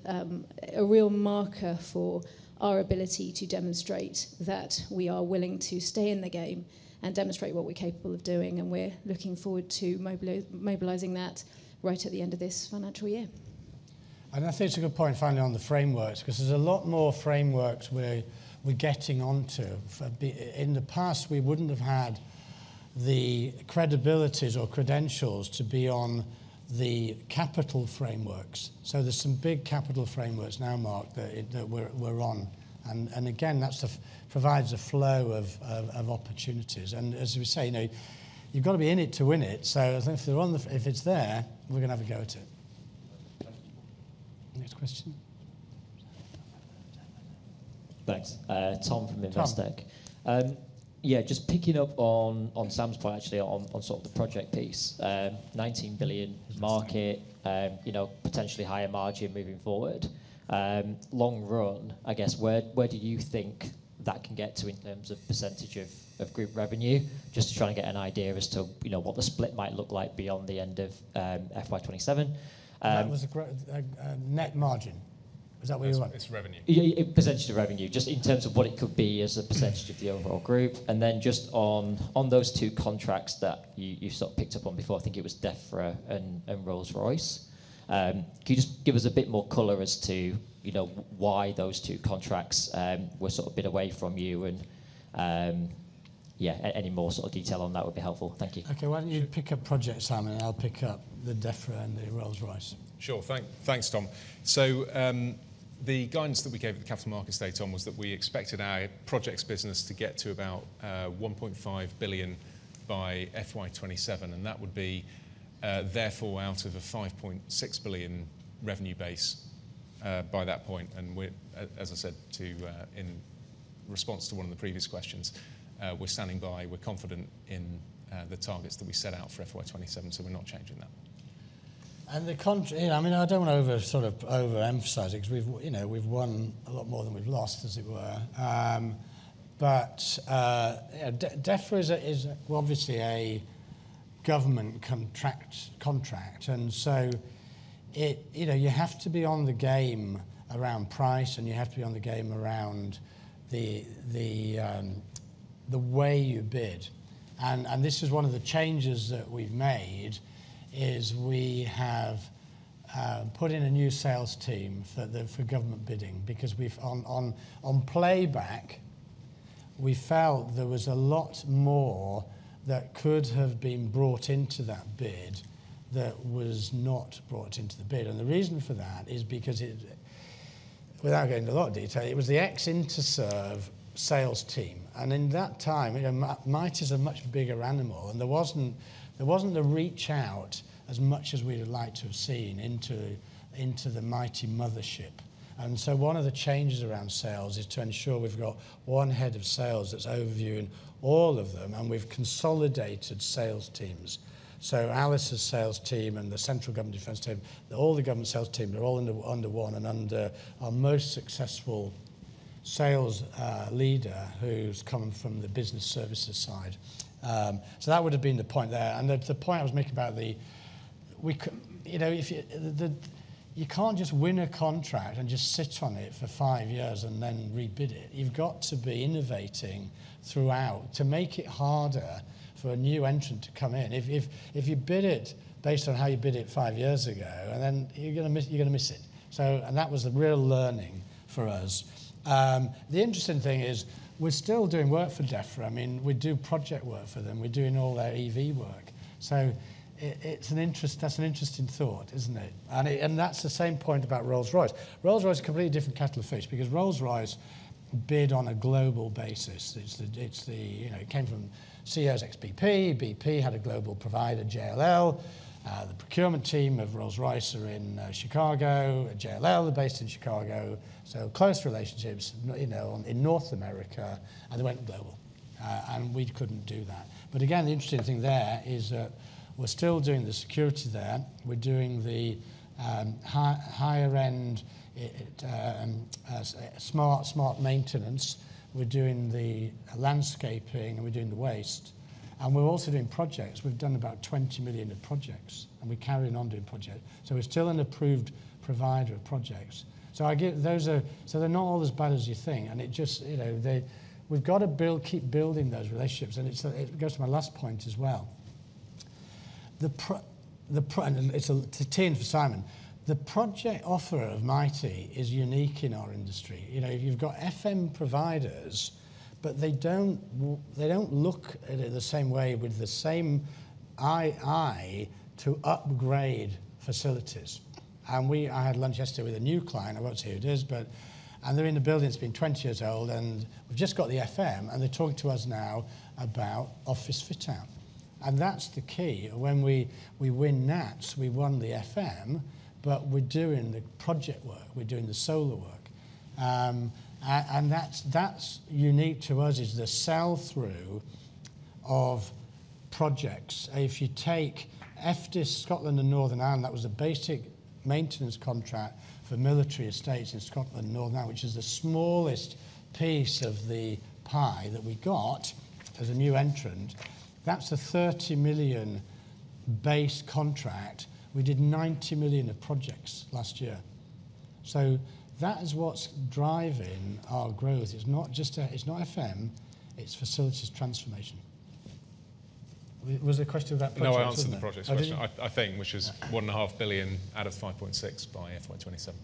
G: a real marker for our ability to demonstrate that we are willing to stay in the game and demonstrate what we're capable of doing, and we're looking forward to mobilizing that right at the end of this financial year.
A: And I think it's a good point, finally, on the frameworks, 'cause there's a lot more frameworks we're getting onto. In the past, we wouldn't have had the credibilities or credentials to be on the capital frameworks. So there's some big capital frameworks now, Mark, that we're on. And again, that provides a flow of opportunities. And as we say, you know, you've gotta be in it to win it, so if they're on the... If it's there, we're gonna have a go at it.
H: Next question.
I: Thanks. Tom from Investec.
A: Tom.
I: Yeah, just picking up on, on Sam's point, actually, on, on sort of the project piece. 19 billion market, you know, potentially higher margin moving forward. Long run, I guess, where, where do you think that can get to in terms of percentage of, of group revenue? Just to try and get an idea as to, you know, what the split might look like beyond the end of, FY 2027.
A: That was a net margin. Is that what you want?
B: It's revenue.
I: Yeah, yeah, percentage of revenue, just in terms of what it could be as a percentage of the overall group. And then just on those two contracts that you sort of picked up on before, I think it was DEFRA and Rolls-Royce. Can you just give us a bit more color as to, you know, why those two contracts were sort of a bit away from you? And any more sort of detail on that would be helpful. Thank you.
A: Okay, why don't you pick up projects, Simon, and I'll pick up the DEFRA and the Rolls-Royce?
B: Sure. Thanks, Tom. So, the guidance that we gave at the capital market stage, Tom, was that we expected our projects business to get to about, 1.5 billion by FY 2027, and that would be, therefore, out of a 5.6 billion revenue base, by that point. And we're, as I said to, in response to one of the previous questions, we're standing by. We're confident in, the targets that we set out for FY 2027, so we're not changing that.
A: You know, I mean, I don't wanna over, sort of overemphasize it, 'cause we've, you know, we've won a lot more than we've lost, as it were. But yeah, DEFRA is a, is, well, obviously a government contract, and so it... You know, you have to be on the game around price, and you have to be on the game around the, the, the way you bid. And this is one of the changes that we've made is we have put in a new sales team for the, for government bidding, because we've, on, on, on playback, we felt there was a lot more that could have been brought into that bid that was not brought into the bid, and the reason for that is because it, without getting into a lot of detail, it was the ex-Interserve sales team. And in that time, you know, Mitie's a much bigger animal, and there wasn't the reach out as much as we'd have liked to have seen into the Mitie mothership. And so one of the changes around sales is to ensure we've got one head of sales that's overviewing all of them, and we've consolidated sales teams. So Alice's sales team and the central government defense team, all the government sales team, they're all under one and under our most successful sales leader, who's coming from the business services side. So that would've been the point there. And the point I was making about the... You know, if you, the, you can't just win a contract and just sit on it for five years and then rebid it. You've got to be innovating throughout to make it harder for a new entrant to come in. If you bid it based on how you bid it five years ago, then you're gonna miss it. So that was a real learning for us. The interesting thing is we're still doing work for DEFRA. I mean, we do project work for them. We're doing all their EV work, so it's an interesting thought, isn't it? And that's the same point about Rolls-Royce. Rolls-Royce is a completely different kettle of fish because Rolls-Royce bid on a global basis. It's the, you know, it came from CEOs ex-BP. BP had a global provider, JLL. The procurement team of Rolls-Royce are in Chicago, and JLL are based in Chicago, so close relationships, you know, in North America, and they went global. And we couldn't do that. But again, the interesting thing there is that we're still doing the security there. We're doing the higher-end smart maintenance. We're doing the landscaping, and we're doing the waste, and we're also doing projects. We've done about 20 million of projects, and we're carrying on doing projects, so we're still an approved provider of projects. So I get... Those are-- So they're not all as bad as you think, and it just, you know, they... We've got to build, keep building those relationships, and it's it goes to my last point as well. The pr- the pr- and it's a-- to tee in for Simon. The project offer of Mitie is unique in our industry. You know, you've got FM providers, but they don't look at it the same way with the same eye, eye to upgrade facilities. And I had lunch yesterday with a new client. I won't say who it is, but... And they're in a building that's been 20 years old, and we've just got the FM, and they're talking to us now about office fit-out. And that's the key. When we won NATS, we won the FM, but we're doing the project work. We're doing the solar work. And that's unique to us, is the sell-through of projects. If you take FDIS Scotland and Northern Ireland, that was a basic maintenance contract for military estates in Scotland and Northern Ireland, which is the smallest piece of the pie that we got as a new entrant. That's a 30 million base contract. We did 90 million of projects last year. So that is what's driving our growth. It's not just, it's not FM, it's facilities transformation. Was there a question about the project, wasn't there?
B: No, I answered the projects question... I think, which is 1.5 billion out of 5.6 billion by FY 2027.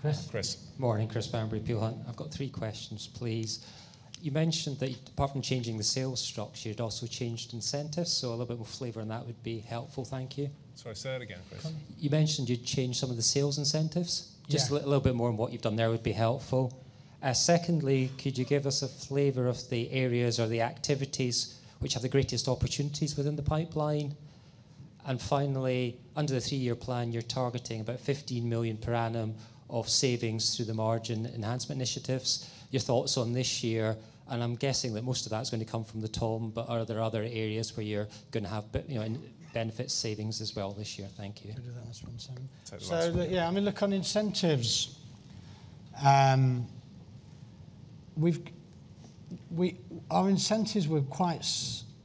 F: Chris?
B: Chris.
J: Morning, Christopher Bamberry, Peel Hunt. I've got three questions, please. You mentioned that apart from changing the sales structure, you'd also changed incentives, so a little bit more flavor on that would be helpful, thank you.
B: Sorry, say that again, Chris.
J: You mentioned you'd changed some of the sales incentives.
A: Yeah.
J: Just a little bit more on what you've done there would be helpful. Secondly, could you give us a flavor of the areas or the activities which have the greatest opportunities within the pipeline? And finally, under the three-year plan, you're targeting about 15 million per annum of savings through the margin enhancement initiatives, your thoughts on this year, and I'm guessing that most of that's going to come from the TOM, but are there other areas where you're gonna have you know, benefit savings as well this year? Thank you.
A: Can you do that as well, Simon?
B: Take the last one.
A: So, yeah, I mean, look, on incentives, our incentives were quite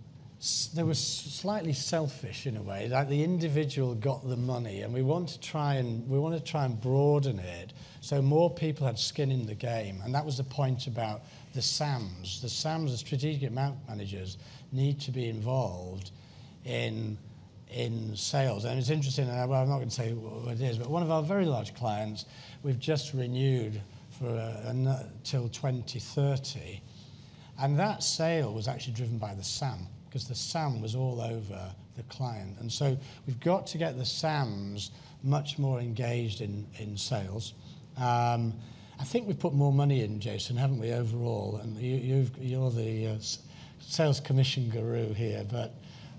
A: – they were slightly selfish in a way, that the individual got the money, and we want to try and broaden it, so more people had skin in the game, and that was the point about the SAMs. The SAMs, the strategic account managers, need to be involved in sales. And it's interesting, and I, well, I'm not going to say what it is, but one of our very large clients, we've just renewed for another till 2030, and that sale was actually driven by the SAM because the SAM was all over the client. And so we've got to get the SAMs much more engaged in sales. I think we've put more money in, Jason, haven't we, overall? And you, you've, you're the sales commission guru here, but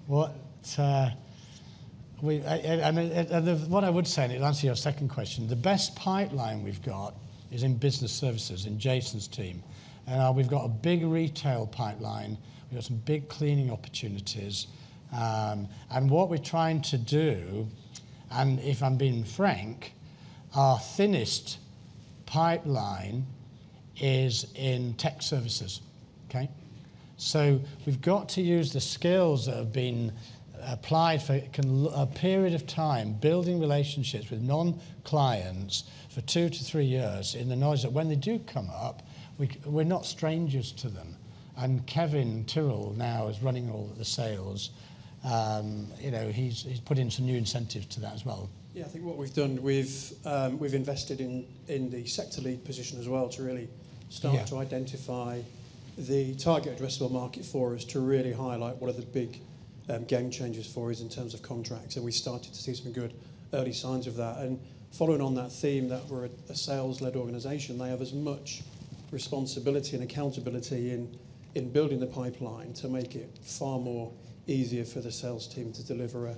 A: what I would say, and it answers your second question, the best pipeline we've got is in business services, in Jason's team. We've got a big retail pipeline. We've got some big cleaning opportunities. And what we're trying to do, and if I'm being frank, our thinnest pipeline is in tech services. Okay? So we've got to use the skills that have been applied for a period of time, building relationships with non-clients for two to three years in the knowledge that when they do come up, we're not strangers to them. And Kevin Tyrrell now is running all of the sales. You know, he's put in some new incentives to that as well.
K: Yeah, I think what we've done, we've invested in the sector lead position as well to really start to identify the target addressable market for us to really highlight what are the big game changers for us in terms of contracts, and we started to see some good early signs of that. And following on that theme, that we're a sales-led organization, they have as much responsibility and accountability in building the pipeline to make it far more easier for the sales team to deliver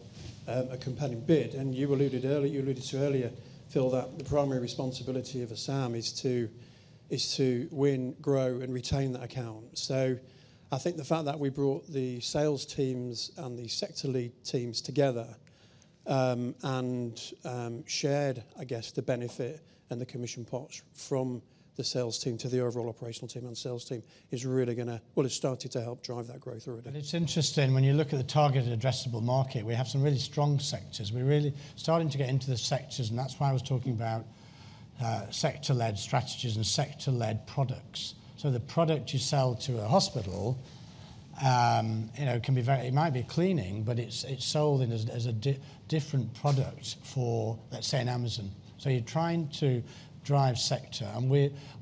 K: a compelling bid. And you alluded to earlier, Phil, that the primary responsibility of a SAM is to win, grow, and retain that account. So I think the fact that we brought the sales teams and the sector lead teams together, and shared, I guess, the benefit and the commission pots from the sales team to the overall operational team and sales team is really gonna... Well, it started to help drive that growth already.
A: It's interesting, when you look at the targeted addressable market, we have some really strong sectors. We're really starting to get into the sectors, and that's why I was talking about sector-led strategies and sector-led products. So the product you sell to a hospital, you know, can be very—it might be cleaning, but it's sold in as a different product for, let's say, in Amazon. So you're trying to drive sector. And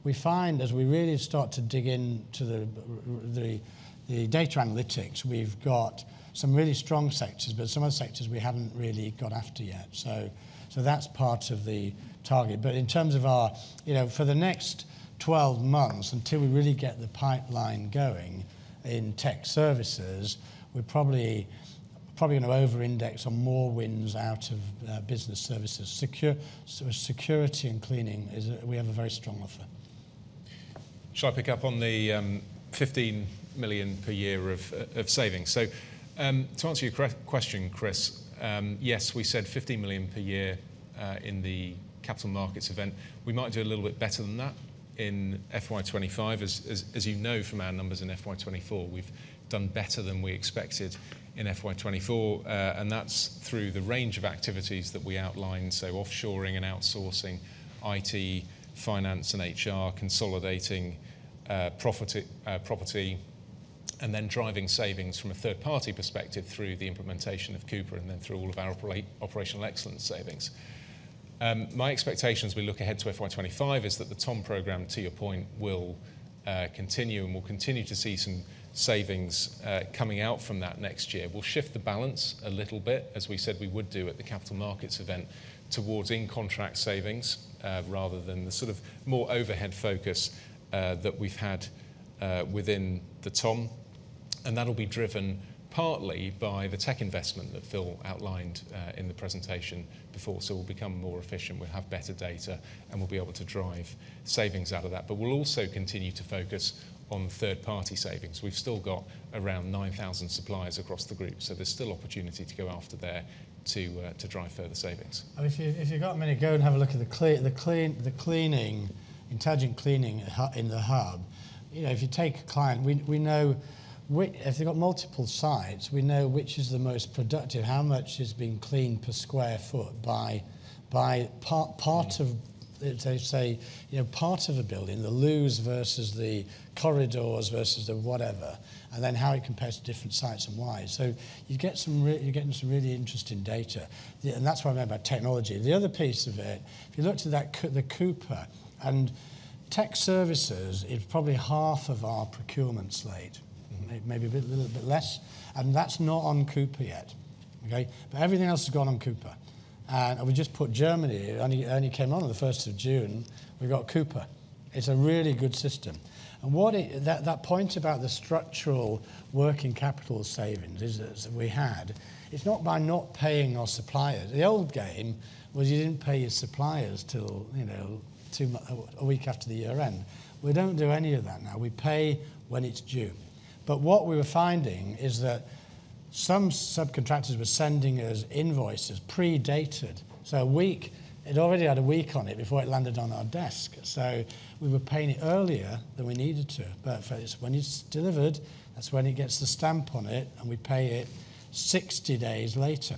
A: we find, as we really start to dig into the the data analytics, we've got some really strong sectors, but some of the sectors we haven't really got after yet. So that's part of the target. But in terms of our...you know, for the next 12 months, until we really get the pipeline going in tech services, we're probably, probably gonna over-index on more wins out of business services. Secure, so security and cleaning is we have a very strong offer.
B: Shall I pick up on the 15 million per year of savings? So, to answer your question, Chris, yes, we said 15 million per year in the capital markets event. We might do a little bit better than that in FY 2025. As you know from our numbers in FY 2024, we've done better than we expected in FY 2024, and that's through the range of activities that we outlined, so offshoring and outsourcing, IT, finance, and HR, consolidating property, and then driving savings from a third-party perspective through the implementation of Cooper and then through all of our operational excellence savings. My expectations, we look ahead to FY 2025, is that the TOM program, to your point, will continue, and we'll continue to see some savings coming out from that next year. We'll shift the balance a little bit, as we said we would do at the capital markets event, rather than the sort of more overhead focus, that we've had, within the TOM, and that'll be driven partly by the tech investment that Phil outlined, in the presentation before. So we'll become more efficient, we'll have better data, and we'll be able to drive savings out of that. But we'll also continue to focus on third-party savings. We've still got around 9,000 suppliers across the group, so there's still opportunity to go after there to, to drive further savings.
A: And if you, if you've got a minute, go and have a look at the cleaning, intelligent cleaning hygiene in the hub. You know, if you take a client, we know which—If they've got multiple sites, we know which is the most productive, how much is being cleaned per square foot by part of, let's say, you know, part of a building, the loos versus the corridors versus the whatever, and then how it compares to different sites and why. So you get some—you're getting some really interesting data, and that's what I meant by technology. The other piece of it, if you look to the Cooper, and tech services is probably half of our procurement slate, maybe a bit less, and that's not on Cooper yet. Okay? But everything else has gone on Cooper. And we just put Germany only; it only came on on the June 1st. We've got Cooper. It's a really good system. And what it... That point about the structural working capital savings is, as we had, it's not by not paying our suppliers. The old game was you didn't pay your suppliers till, you know, two months or a week after the year end. We don't do any of that now. We pay when it's due. But what we were finding is that some subcontractors were sending us invoices predated. So a week, it already had a week on it before it landed on our desk. So we were paying it earlier than we needed to, but it's when it's delivered; that's when it gets the stamp on it, and we pay it 60 days later.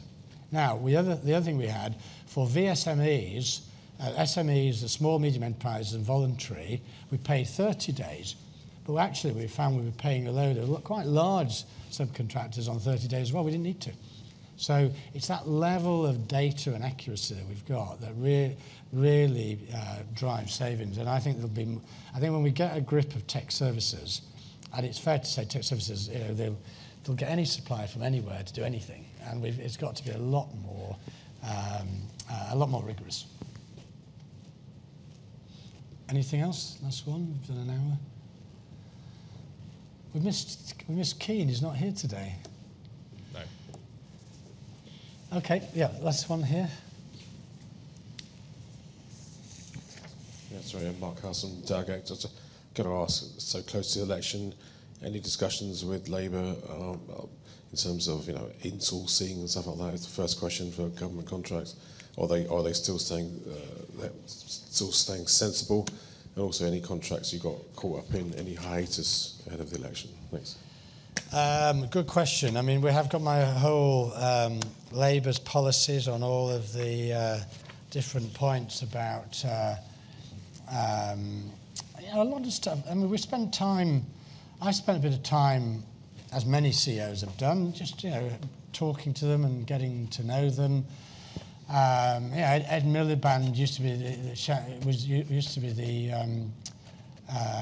A: Now, the other, the other thing we had, for VSMEs, SMEs, the small medium enterprises and voluntary, we pay 30 days. But actually, we found we were paying a load of quite large subcontractors on 30 days as well. We didn't need to. So it's that level of data and accuracy that we've got that really, really, drive savings, and I think there'll be—I think when we get a grip of tech services, and it's fair to say tech services, you know, they'll, they'll get any supplier from anywhere to do anything, and we've—it's got to be a lot more, a lot more rigorous. Anything else? Last one. We've done an hour. We've missed, we missed Keane. He's not here today.
B: No.
A: Okay. Yeah, last one here.
L: Yeah, sorry. I'm Mark Harrison, Dark Act. Just gonna ask, so close to the election, any discussions with Labour, in terms of, you know, insourcing and stuff like that? It's the first question for government contracts. Are they, are they still staying, still staying sensible? And also, any contracts you got caught up in, any hiatus ahead of the election? Thanks.
A: Good question. I mean, we have got my whole, Labour's policies on all of the, different points about, you know, a lot of stuff. I mean, I spent a bit of time, as many CEOs have done, just, you know, talking to them and getting to know them. Yeah, Ed Miliband used to be the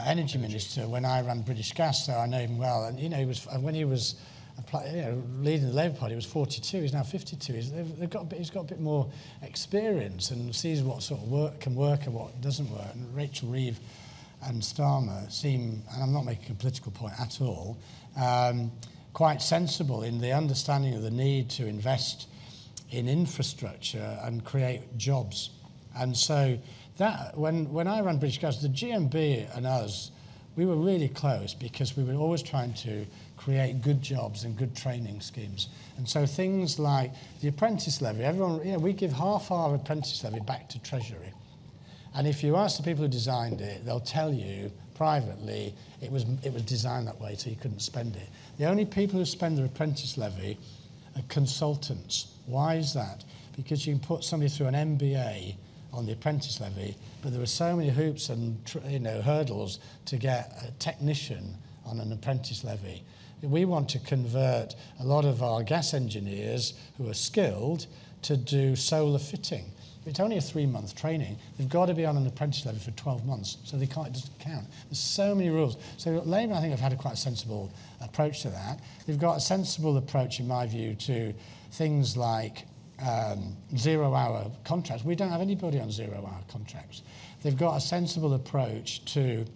A: energy minister when I ran British Gas, so I know him well. And, you know, he was, you know, leading the Labour Party, he was 42, he's now 52. He's, they've, they've got a bit, he's got a bit more experience and sees what sort of work can work and what doesn't work. And Rachel Reeves and Starmer seem, and I'm not making a political point at all, quite sensible in the understanding of the need to invest in infrastructure and create jobs. And so that, when, when I ran British Gas, the GMB and us, we were really close because we were always trying to create good jobs and good training schemes. And so things like the apprentice levy, everyone, you know, we give half our apprentice levy back to Treasury. If you ask the people who designed it, they'll tell you privately, it was, it was designed that way, so you couldn't spend it. The only people who spend their apprentice levy are consultants. Why is that? Because you can put somebody through an MBA on the apprentice levy, but there are so many hoops and you know, hurdles to get a technician on an apprentice levy. We want to convert a lot of our gas engineers, who are skilled, to do solar fitting. It's only a three-month training. They've got to be on an apprentice levy for 12 months, so they can't just count. There's so many rules. So Labour, I think, have had a quite sensible approach to that. They've got a sensible approach, in my view, to things like, zero-hour contracts. We don't have anybody on zero-hour contracts. They've got a sensible approach to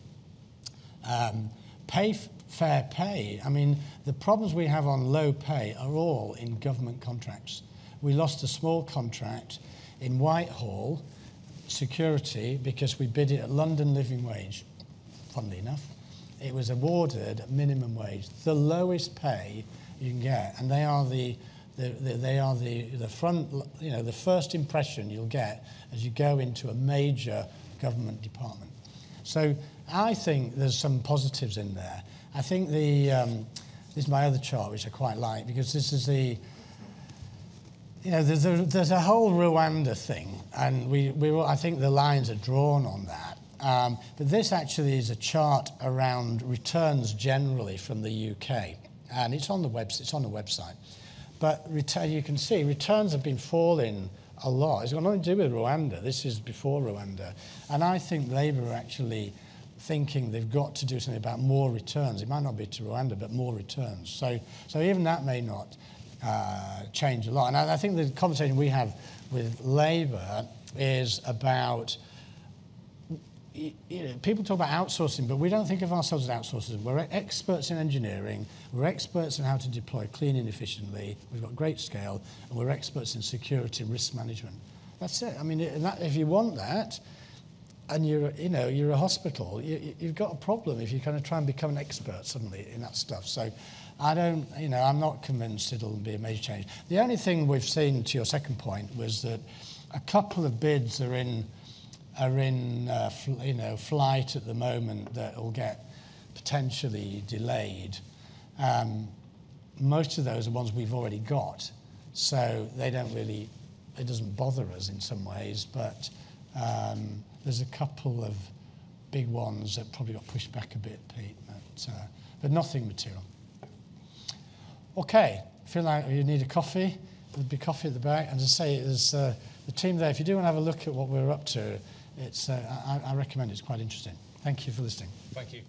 A: fair pay. I mean, the problems we have on low pay are all in government contracts. We lost a small contract in Whitehall Security because we bid it at London living wage, funnily enough. It was awarded at minimum wage, the lowest pay you can get, and they are the front, you know, the first impression you'll get as you go into a major government department. So I think there's some positives in there. I think the... This is my other chart, which I quite like, because this is the... You know, there's a whole Rwanda thing, and we were. I think the lines are drawn on that. But this actually is a chart around returns generally from the U.K., and it's on the web, it's on the website. But returns, you can see returns have been falling a lot. It's got nothing to do with Rwanda. This is before Rwanda, and I think Labour are actually thinking they've got to do something about more returns. It might not be to Rwanda, but more returns. So even that may not change a lot. And I think the conversation we have with Labour is about... You know, people talk about outsourcing, but we don't think of ourselves as outsourcing. We're experts in engineering, we're experts in how to deploy, clean, and efficiently, we've got great scale, and we're experts in security and risk management. That's it. I mean, and that, if you want that, and you're, you know, you're a hospital, you've got a problem if you're gonna try and become an expert suddenly in that stuff. So I don't, you know, I'm not convinced it'll be a major change. The only thing we've seen, to your second point, was that a couple of bids are in flight at the moment that will get potentially delayed. Most of those are ones we've already got, so they don't really... It doesn't bother us in some ways, but, there's a couple of big ones that probably got pushed back a bit, Pete, but, but nothing material. Okay, I feel like you need a coffee. There'll be coffee at the back. And as I say, there's the team there. If you do want to have a look at what we're up to, it's, I recommend it. It's quite interesting. Thank you for listening.
B: Thank you.